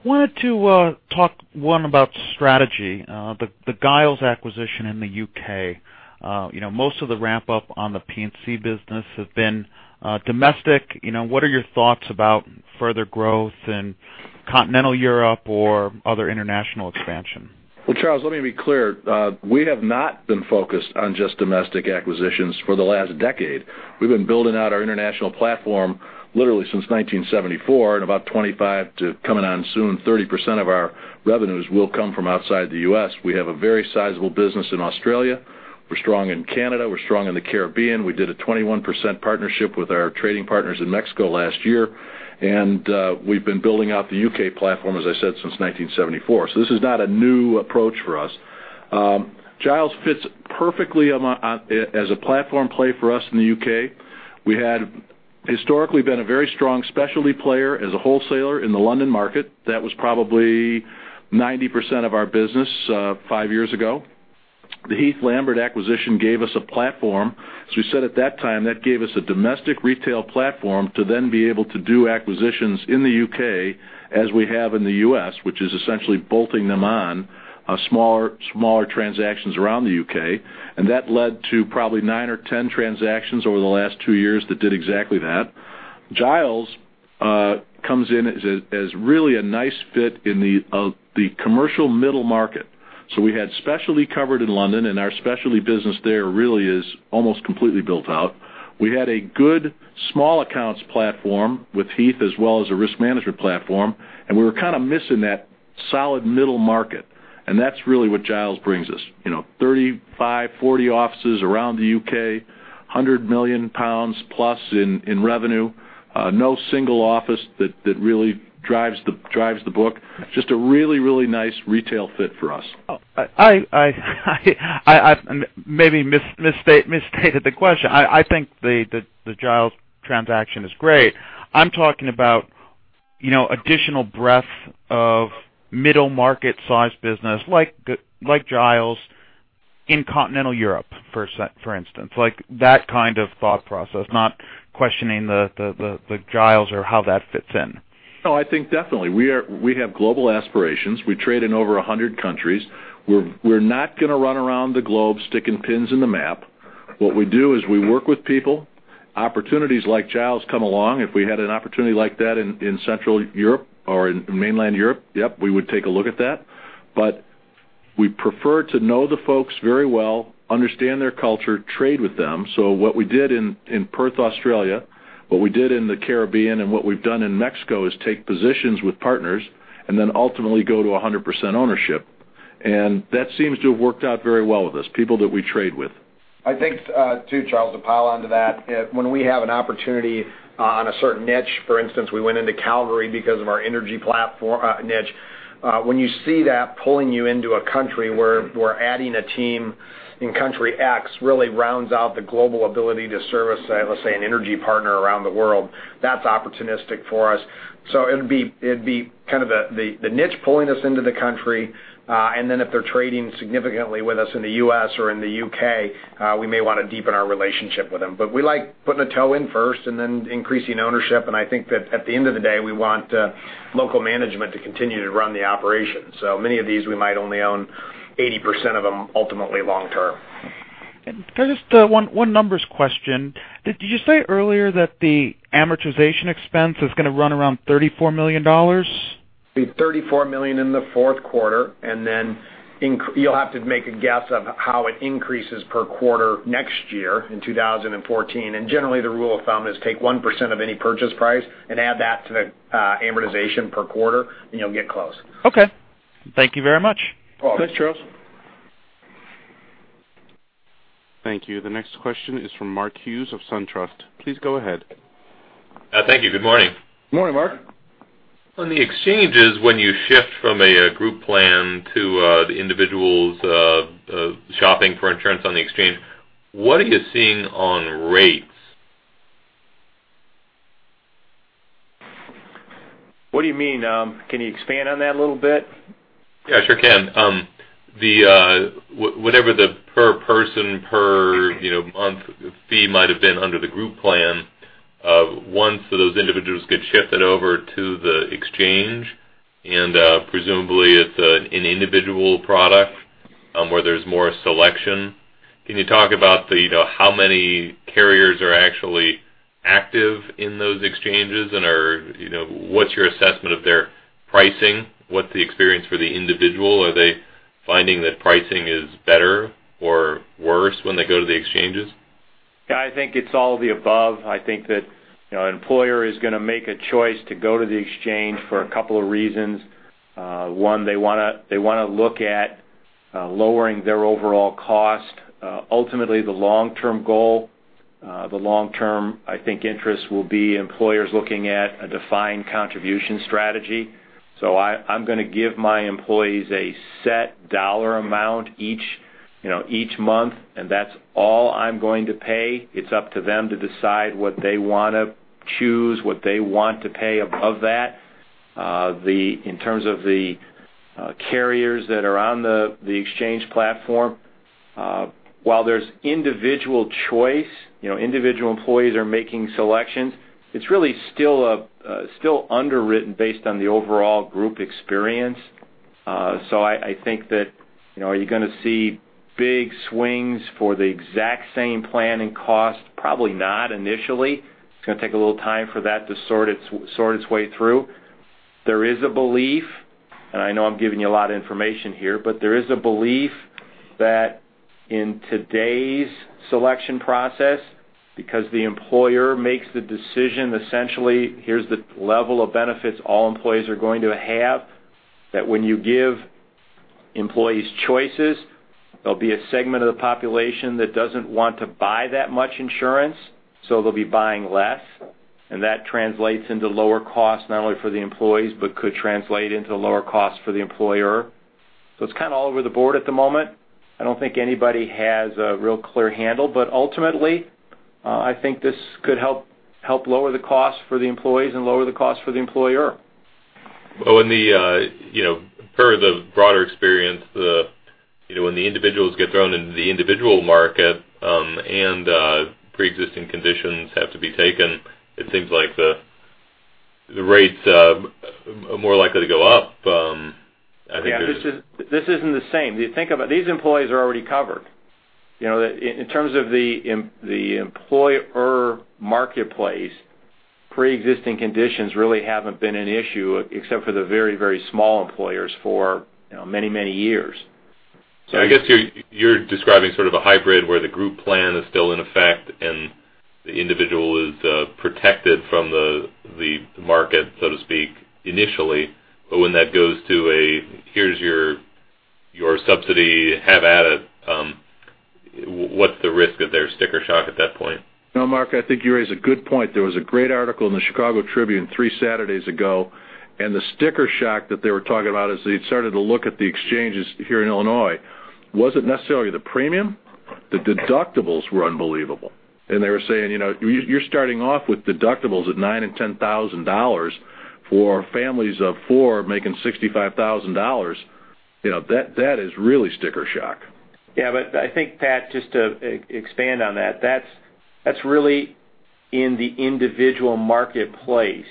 Wanted to talk, one, about strategy, the Giles acquisition in the U.K. Most of the ramp-up on the P&C business has been domestic. What are your thoughts about further growth in continental Europe or other international expansion? Well, Charles, let me be clear. We have not been focused on just domestic acquisitions for the last decade. We've been building out our international platform literally since 1974. At about 25%, to coming on soon, 30% of our revenues will come from outside the U.S. We have a very sizable business in Australia. We're strong in Canada. We're strong in the Caribbean. We did a 21% partnership with our trading partners in Mexico last year. We've been building out the U.K. platform, as I said, since 1974. This is not a new approach for us. Giles fits perfectly as a platform play for us in the U.K. We had historically been a very strong specialty player as a wholesaler in the London market. That was probably 90% of our business five years ago. The Heath Lambert acquisition gave us a platform. As we said at that time, that gave us a domestic retail platform to then be able to do acquisitions in the U.K., as we have in the U.S., which is essentially bolting them on smaller transactions around the U.K. That led to probably nine or 10 transactions over the last two years that did exactly that. Giles comes in as really a nice fit in the commercial middle market. We had specialty covered in London, and our specialty business there really is almost completely built out. We had a good small accounts platform with Heath as well as a risk management platform, and we were kind of missing that solid middle market, and that's really what Giles brings us. 35, 40 offices around the U.K., 100 million pounds plus in revenue. No single office that really drives the book. Just a really nice retail fit for us. I maybe misstated the question. I think the Giles transaction is great. I'm talking about additional breadth of middle market size business like Giles in continental Europe, for instance, like that kind of thought process, not questioning the Giles or how that fits in. No, I think definitely. We have global aspirations. We trade in over 100 countries. We're not going to run around the globe sticking pins in the map. What we do is we work with people. Opportunities like Giles come along. If we had an opportunity like that in Central Europe or in mainland Europe, yep, we would take a look at that. We prefer to know the folks very well, understand their culture, trade with them. What we did in Perth, Australia, what we did in the Caribbean, and what we've done in Mexico, is take positions with partners and then ultimately go to 100% ownership. That seems to have worked out very well with us, people that we trade with. I think, too, Charles, to pile onto that, when we have an opportunity on a certain niche, for instance, we went into Calgary because of our energy platform niche. When you see that pulling you into a country where adding a team in country X really rounds out the global ability to service, let's say, an energy partner around the world, that's opportunistic for us. It'd be kind of the niche pulling us into the country, then if they're trading significantly with us in the U.S. or in the U.K., we may want to deepen our relationship with them. We like putting a toe in first and then increasing ownership, and I think that at the end of the day, we want local management to continue to run the operation. Many of these, we might only own 80% of them ultimately long term. Can I just one numbers question. Did you say earlier that the amortization expense is going to run around $34 million? It'll be $34 million in the fourth quarter, then you'll have to make a guess of how it increases per quarter next year in 2014. Generally, the rule of thumb is take 1% of any purchase price and add that to the amortization per quarter, and you'll get close. Okay. Thank you very much. You're welcome. Thanks, Charles. Thank you. The next question is from Mark Hughes of SunTrust. Please go ahead. Thank you. Good morning. Good morning, Mark. On the exchanges, when you shift from a group plan to the individuals, shopping for insurance on the exchange, what are you seeing on rates? What do you mean? Can you expand on that a little bit? Yeah, sure can. Whatever the per person, per month fee might have been under the group plan, once those individuals get shifted over to the exchange, and presumably it's an individual product, where there's more selection, can you talk about how many carriers are actually active in those exchanges? What's your assessment of their pricing? What's the experience for the individual? Are they finding that pricing is better or worse when they go to the exchanges? I think it's all of the above. I think that an employer is going to make a choice to go to the exchange for a couple of reasons. One, they want to look at lowering their overall cost. Ultimately, the long-term goal, the long-term, I think, interest will be employers looking at a defined contribution strategy. I'm going to give my employees a set dollar amount each month, and that's all I'm going to pay. It's up to them to decide what they want to choose, what they want to pay above that. In terms of the carriers that are on the exchange platform, while there's individual choice, individual employees are making selections, it's really still underwritten based on the overall group experience. I think that, are you going to see big swings for the exact same plan and cost? Probably not initially. It's going to take a little time for that to sort its way through. There is a belief, I know I'm giving you a lot of information here, there is a belief that in today's selection process, because the employer makes the decision, essentially, here's the level of benefits all employees are going to have, that when you give employees choices, there'll be a segment of the population that doesn't want to buy that much insurance, so they'll be buying less. That translates into lower costs, not only for the employees, but could translate into lower costs for the employer. It's kind of all over the board at the moment. I don't think anybody has a real clear handle, ultimately, I think this could help lower the cost for the employees and lower the cost for the employer. Per the broader experience, when the individuals get thrown into the individual market, pre-existing conditions have to be taken, it seems like the rates are more likely to go up. This isn't the same. These employees are already covered. In terms of the employer marketplace, pre-existing conditions really haven't been an issue except for the very small employers for many years. I guess you're describing sort of a hybrid where the group plan is still in effect, and the individual is protected from the market, so to speak, initially. When that goes to a, here's your subsidy, have at it, what's the risk of their sticker shock at that point? No, Mark, I think you raise a good point. There was a great article in the Chicago Tribune three Saturdays ago, the sticker shock that they were talking about as they started to look at the exchanges here in Illinois wasn't necessarily the premium. The deductibles were unbelievable. They were saying, you're starting off with deductibles at $9,000 and $10,000 for families of four making $65,000. That is really sticker shock. Yeah. I think, Pat, just to expand on that's really in the individual marketplace.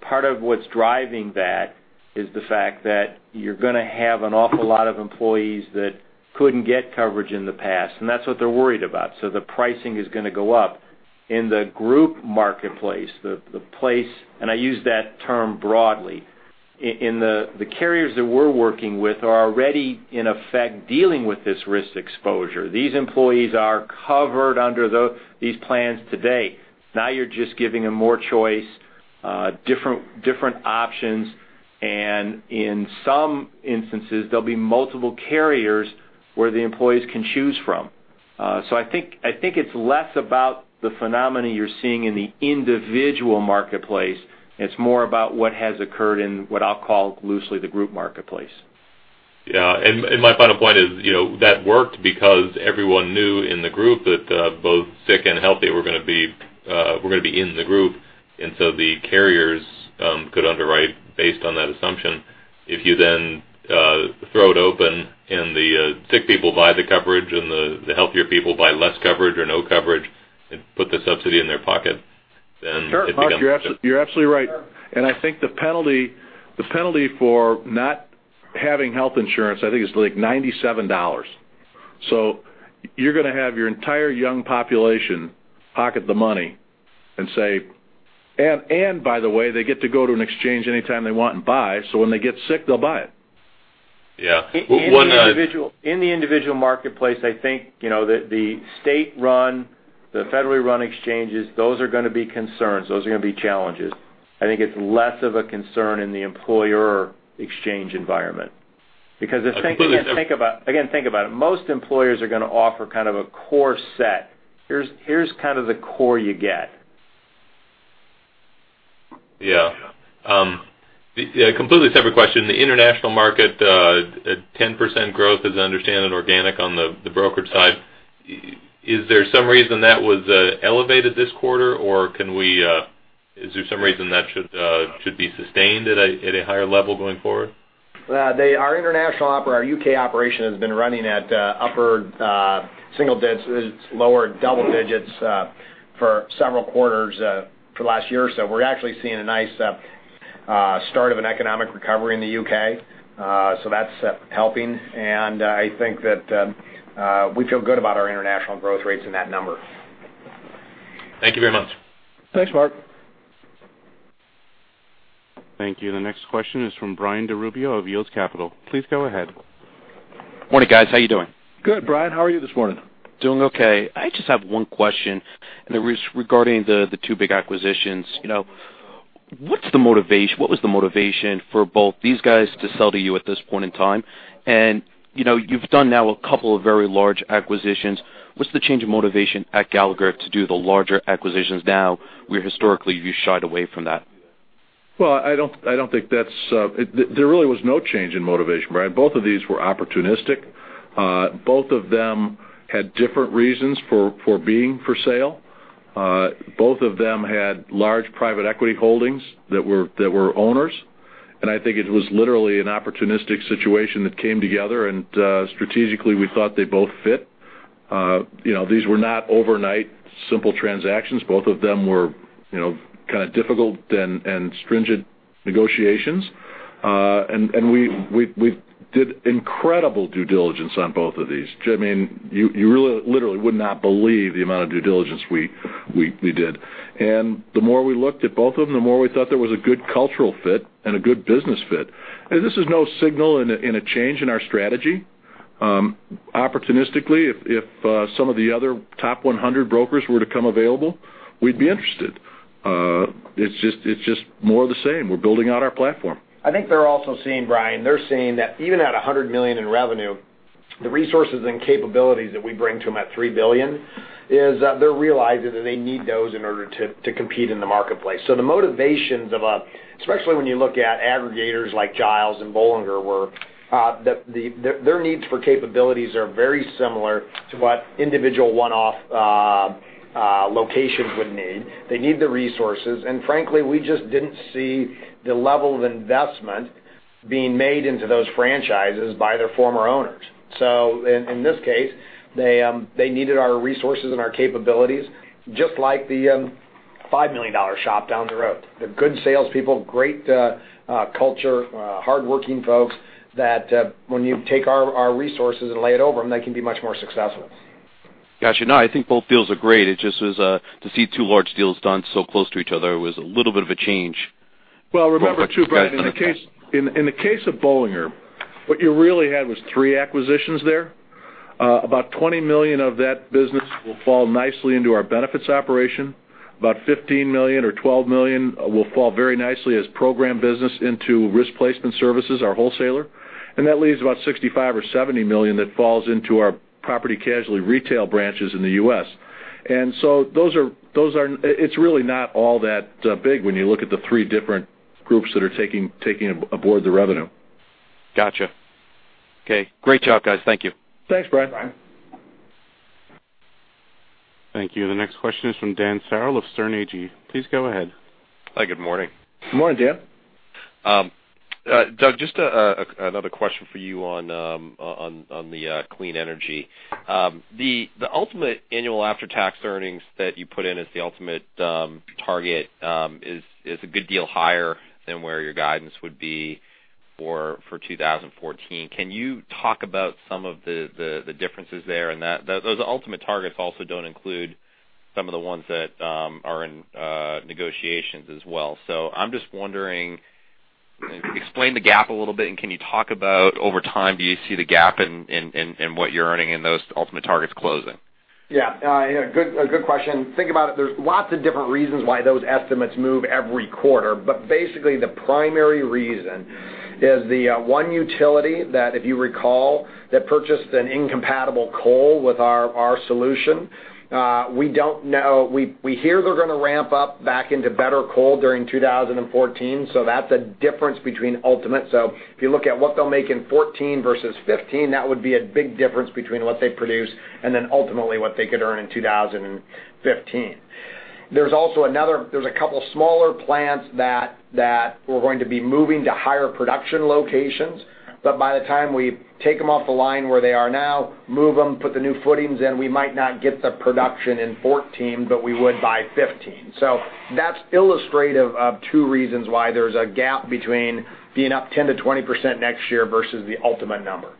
Part of what's driving that is the fact that you're going to have an awful lot of employees that couldn't get coverage in the past, and that's what they're worried about. The pricing is going to go up. In the group marketplace, the place, and I use that term broadly, the carriers that we're working with are already in effect dealing with this risk exposure. These employees are covered under these plans today. Now you're just giving them more choice, different options, and in some instances, there'll be multiple carriers where the employees can choose from. I think it's less about the phenomena you're seeing in the individual marketplace, and it's more about what has occurred in what I'll call loosely the group marketplace. Yeah. My final point is, that worked because everyone knew in the group that both sick and healthy were going to be in the group, and so the carriers could underwrite based on that assumption. If you then throw it open and the sick people buy the coverage and the healthier people buy less coverage or no coverage and put the subsidy in their pocket, then it becomes. Sure, Mark, you're absolutely right. I think the penalty for not having health insurance, I think it's like $97. You're going to have your entire young population pocket the money and say By the way, they get to go to an exchange anytime they want and buy. When they get sick, they'll buy it. Yeah. In the individual marketplace, I think, the state-run, the federally run exchanges, those are going to be concerns. Those are going to be challenges. I think it's less of a concern in the employer exchange environment. Because again, think about it. Most employers are going to offer kind of a core set. Here's kind of the core you get. Yeah. A completely separate question. The international market, at 10% growth, as I understand it, organic on the brokerage side. Is there some reason that was elevated this quarter, or is there some reason that should be sustained at a higher level going forward? Our U.K. operation has been running at upper single digits, lower double digits, for several quarters for the last year or so. We're actually seeing a nice start of an economic recovery in the U.K. That's helping, and I think that we feel good about our international growth rates in that number. Thank you very much. Thanks, Mark. Thank you. The next question is from Brian DeRubio of Yields Capital. Please go ahead. Morning, guys. How are you doing? Good, Brian. How are you this morning? Doing okay. I just have one question. It was regarding the two big acquisitions. What was the motivation for both these guys to sell to you at this point in time? You've done now a couple of very large acquisitions. What's the change in motivation at Gallagher to do the larger acquisitions now, where historically you shied away from that? Well, there really was no change in motivation, Brian. Both of these were opportunistic. Both of them had different reasons for being for sale. Both of them had large private equity holdings that were owners. I think it was literally an opportunistic situation that came together. Strategically, we thought they both fit. These were not overnight simple transactions. Both of them were kind of difficult and stringent negotiations. We did incredible due diligence on both of these. You literally would not believe the amount of due diligence we did. The more we looked at both of them, the more we thought there was a good cultural fit and a good business fit. This is no signal in a change in our strategy. Opportunistically, if some of the other top 100 brokers were to come available, we'd be interested. It's just more of the same. We're building out our platform. I think they're also seeing, Brian, they're seeing that even at $100 million in revenue, the resources and capabilities that we bring to them at $3 billion, is they're realizing that they need those in order to compete in the marketplace. The motivations of, especially when you look at aggregators like Giles and Bollinger, their needs for capabilities are very similar to what individual one-off locations would need. They need the resources, and frankly, we just didn't see the level of investment being made into those franchises by their former owners. In this case, they needed our resources and our capabilities, just like the $5 million shop down the road. They're good salespeople, great culture, hardworking folks that when you take our resources and lay it over them, they can be much more successful. Got you. I think both deals are great. It just was, to see two large deals done so close to each other was a little bit of a change. Remember too, Brian, in the case of Bollinger, what you really had was three acquisitions there. About $20 million of that business will fall nicely into our benefits operation. About $15 million or $12 million will fall very nicely as program business into Risk Placement Services, our wholesaler. That leaves about $65 million or $70 million that falls into our property casualty retail branches in the U.S. It's really not all that big when you look at the three different groups that are taking aboard the revenue. Got you. Okay. Great job, guys. Thank you. Thanks, Brian. Thanks, Brian. Thank you. The next question is from Dan Farrell of Sterne Agee. Please go ahead. Hi, good morning. Good morning, Dan. Doug, just another question for you on the clean energy. The ultimate annual after-tax earnings that you put in as the ultimate target is a good deal higher than where your guidance would be for 2014. Can you talk about some of the differences there? Those ultimate targets also don't include some of the ones that are in negotiations as well. I'm just wondering, explain the gap a little bit, and can you talk about over time, do you see the gap in what you're earning and those ultimate targets closing? Yeah. Good question. Think about it, there's lots of different reasons why those estimates move every quarter. Basically, the primary reason is the one utility that, if you recall, that purchased an incompatible coal with our solution. We hear they're going to ramp up back into better coal during 2014, that's a difference between ultimate. If you look at what they'll make in 2014 versus 2015, that would be a big difference between what they produce and then ultimately what they could earn in 2015. There's a couple smaller plants that we're going to be moving to higher production locations. By the time we take them off the line where they are now, move them, put the new footings in, we might not get the production in 2014, but we would by 2015. That's illustrative of two reasons why there's a gap between being up 10%-20% next year versus the ultimate number.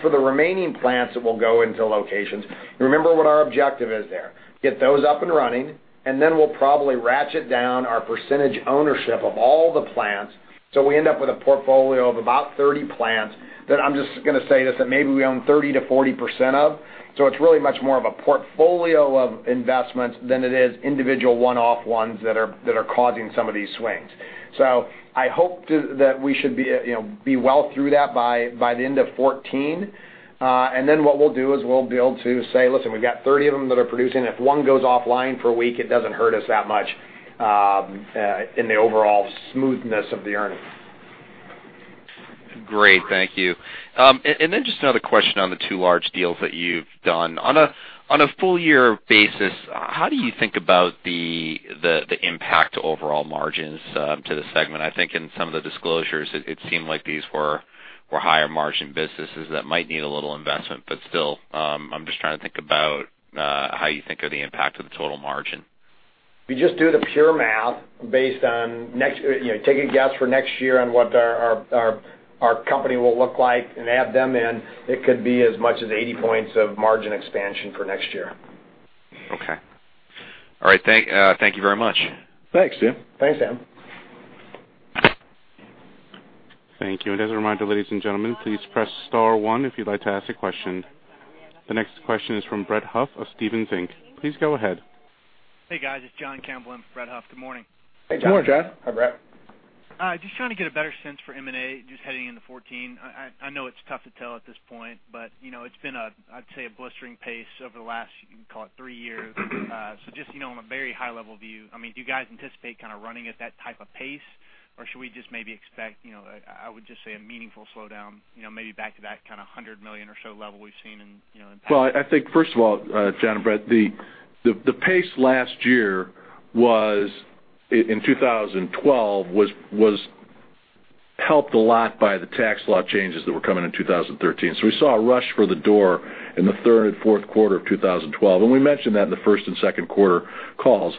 For the remaining plants that will go into locations, remember what our objective is there. Get those up and running, and then we'll probably ratchet down our percentage ownership of all the plants. We end up with a portfolio of about 30 plants that I'm just going to say this, that maybe we own 30%-40% of. It's really much more of a portfolio of investments than it is individual one-off ones that are causing some of these swings. I hope that we should be well through that by the end of 2014. What we'll do is we'll be able to say, look, we've got 30 of them that are producing. If one goes offline for a week, it doesn't hurt us that much in the overall smoothness of the earnings. Great. Thank you. Just another question on the two large deals that you've done. On a full year basis, how do you think about the impact to overall margins to the segment? I think in some of the disclosures, it seemed like these were higher margin businesses that might need a little investment. Still, I'm just trying to think about how you think of the impact of the total margin. If you just do the pure math based on take a guess for next year on what our company will look like and add them in, it could be as much as 80 points of margin expansion for next year. Okay. All right. Thank you very much. Thanks, Dan. Thanks, Dan. Thank you. As a reminder, ladies and gentlemen, please press star one if you'd like to ask a question. The next question is from Brett Huff of Stephens Inc. Please go ahead. Hey, guys, it's John Campbell in for Brett Huff. Good morning. Hey, John. Good morning, John. Hi, Brett. Just trying to get a better sense for M&A, just heading into 2014. I know it's tough to tell at this point, but it's been, I'd say, a blistering pace over the last, call it three years. Just on a very high level view, do you guys anticipate kind of running at that type of pace? Or should we just maybe expect, I would just say, a meaningful slowdown, maybe back to that kind of $100 million or so level we've seen in- Well, I think first of all, John and Brett, the pace last year in 2012 was helped a lot by the tax law changes that were coming in 2013. We saw a rush for the door in the third and fourth quarter of 2012. We mentioned that in the first and second quarter calls.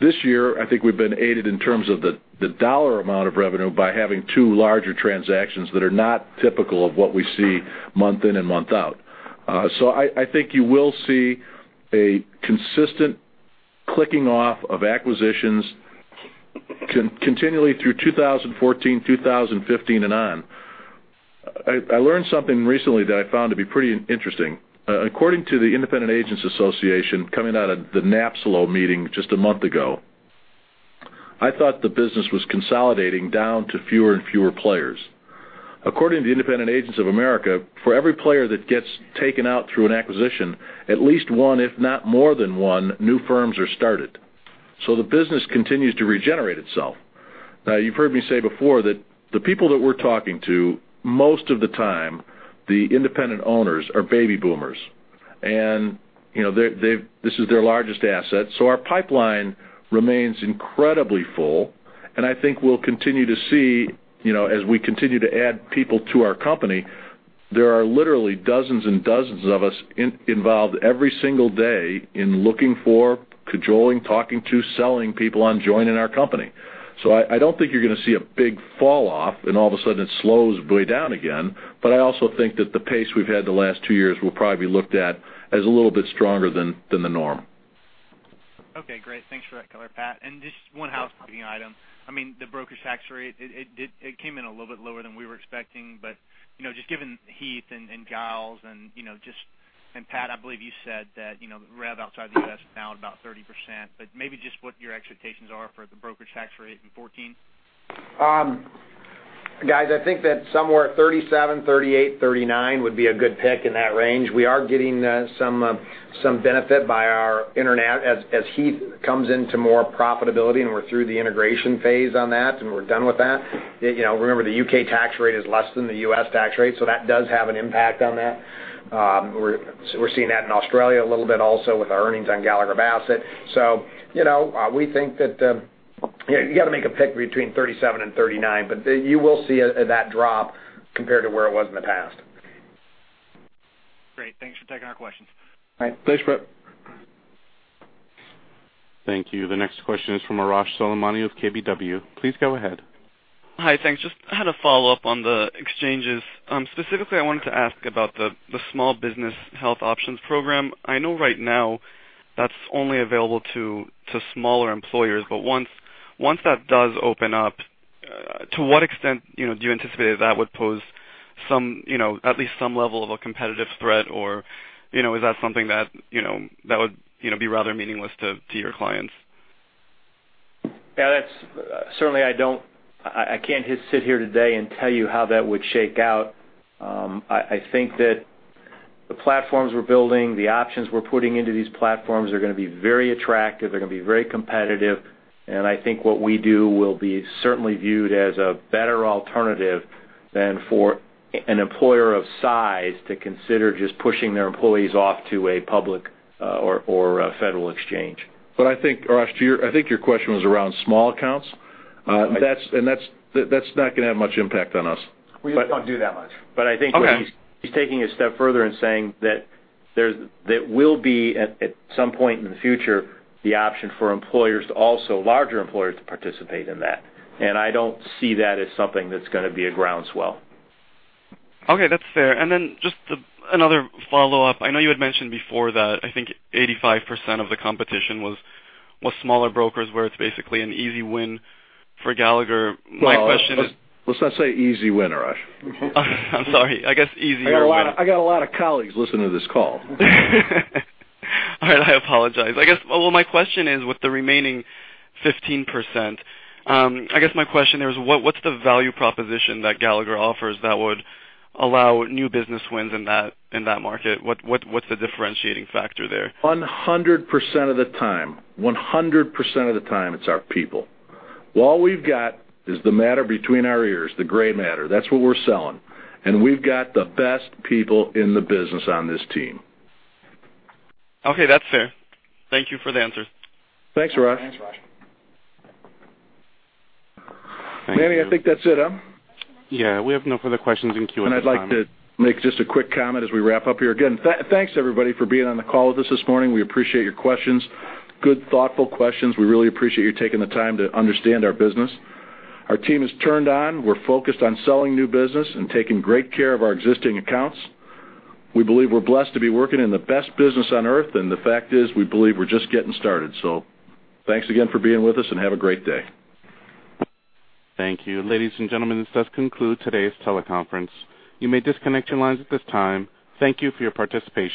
This year, I think we've been aided in terms of the dollar amount of revenue by having two larger transactions that are not typical of what we see month in and month out. I think you will see a consistent clicking off of acquisitions continually through 2014, 2015, and on. I learned something recently that I found to be pretty interesting. According to the Independent Agents Association coming out of the NAPSLO meeting just a month ago, I thought the business was consolidating down to fewer and fewer players. According to the Independent Insurance Agents of America, for every player that gets taken out through an acquisition, at least one, if not more than one, new firms are started. The business continues to regenerate itself. You've heard me say before that the people that we're talking to, most of the time, the independent owners are baby boomers. This is their largest asset. Our pipeline remains incredibly full. I think we'll continue to see as we continue to add people to our company. There are literally dozens and dozens of us involved every single day in looking for, cajoling, talking to, selling people on joining our company. I don't think you're going to see a big fall off and all of a sudden it slows way down again. I also think that the pace we've had the last two years will probably be looked at as a little bit stronger than the norm. Okay, great. Thanks for that color, Pat. Just one housekeeping item. The brokerage tax rate, it came in a little bit lower than we were expecting. Just given Heath and Giles and Pat, I believe you said that rev outside the U.S. is down about 30%. Maybe just what your expectations are for the brokerage tax rate in 2014. Guys, I think that somewhere 37, 38, 39 would be a good pick in that range. We are getting some benefit by our internet as Heath comes into more profitability and we're through the integration phase on that, and we're done with that. Remember the U.K. tax rate is less than the U.S. tax rate, that does have an impact on that. We're seeing that in Australia a little bit also with our earnings on Gallagher Bassett. We think that you got to make a pick between 37 and 39, you will see that drop compared to where it was in the past. Great. Thanks for taking our questions. Thanks, Brett. Thank you. The next question is from Arash Soleimani with KBW. Please go ahead. Hi, thanks. Just had a follow-up on the exchanges. Specifically, I wanted to ask about the Small Business Health Options Program. I know right now that's only available to smaller employers. Once that does open up, to what extent do you anticipate that would pose at least some level of a competitive threat? Is that something that would be rather meaningless to your clients? Certainly I can't just sit here today and tell you how that would shake out. I think that the platforms we're building, the options we're putting into these platforms are going to be very attractive. They're going to be very competitive. I think what we do will be certainly viewed as a better alternative than for an employer of size to consider just pushing their employees off to a public or a federal exchange. I think, Arash, I think your question was around small accounts. I think. That's not going to have much impact on us. We just don't do that much. Okay. I think what he's taking a step further and saying that will be at some point in the future the option for employers to also larger employers to participate in that. I don't see that as something that's going to be a groundswell. Okay, that's fair. Just another follow-up. I know you had mentioned before that I think 85% of the competition was smaller brokers where it's basically an easy win for Gallagher. My question is- Well, let's not say easy win, Arash. I'm sorry. I guess easier win. I got a lot of colleagues listening to this call. All right, I apologize. My question is with the remaining 15%, I guess my question there is what's the value proposition that Gallagher offers that would allow new business wins in that market? What's the differentiating factor there? 100% of the time. 100% of the time, it's our people. All we've got is the matter between our ears, the gray matter. That's what we're selling. We've got the best people in the business on this team. Okay, that's fair. Thank you for the answer. Thanks, Arash. Thanks, Arash. Thank you. Manny, I think that's it, huh? Yeah, we have no further questions in queue at this time. I'd like to make just a quick comment as we wrap up here. Again, thanks everybody for being on the call with us this morning. We appreciate your questions. Good, thoughtful questions. We really appreciate you taking the time to understand our business. Our team is turned on. We're focused on selling new business and taking great care of our existing accounts. We believe we're blessed to be working in the best business on Earth, and the fact is we believe we're just getting started. Thanks again for being with us and have a great day. Thank you. Ladies and gentlemen, this does conclude today's teleconference. You may disconnect your lines at this time. Thank you for your participation.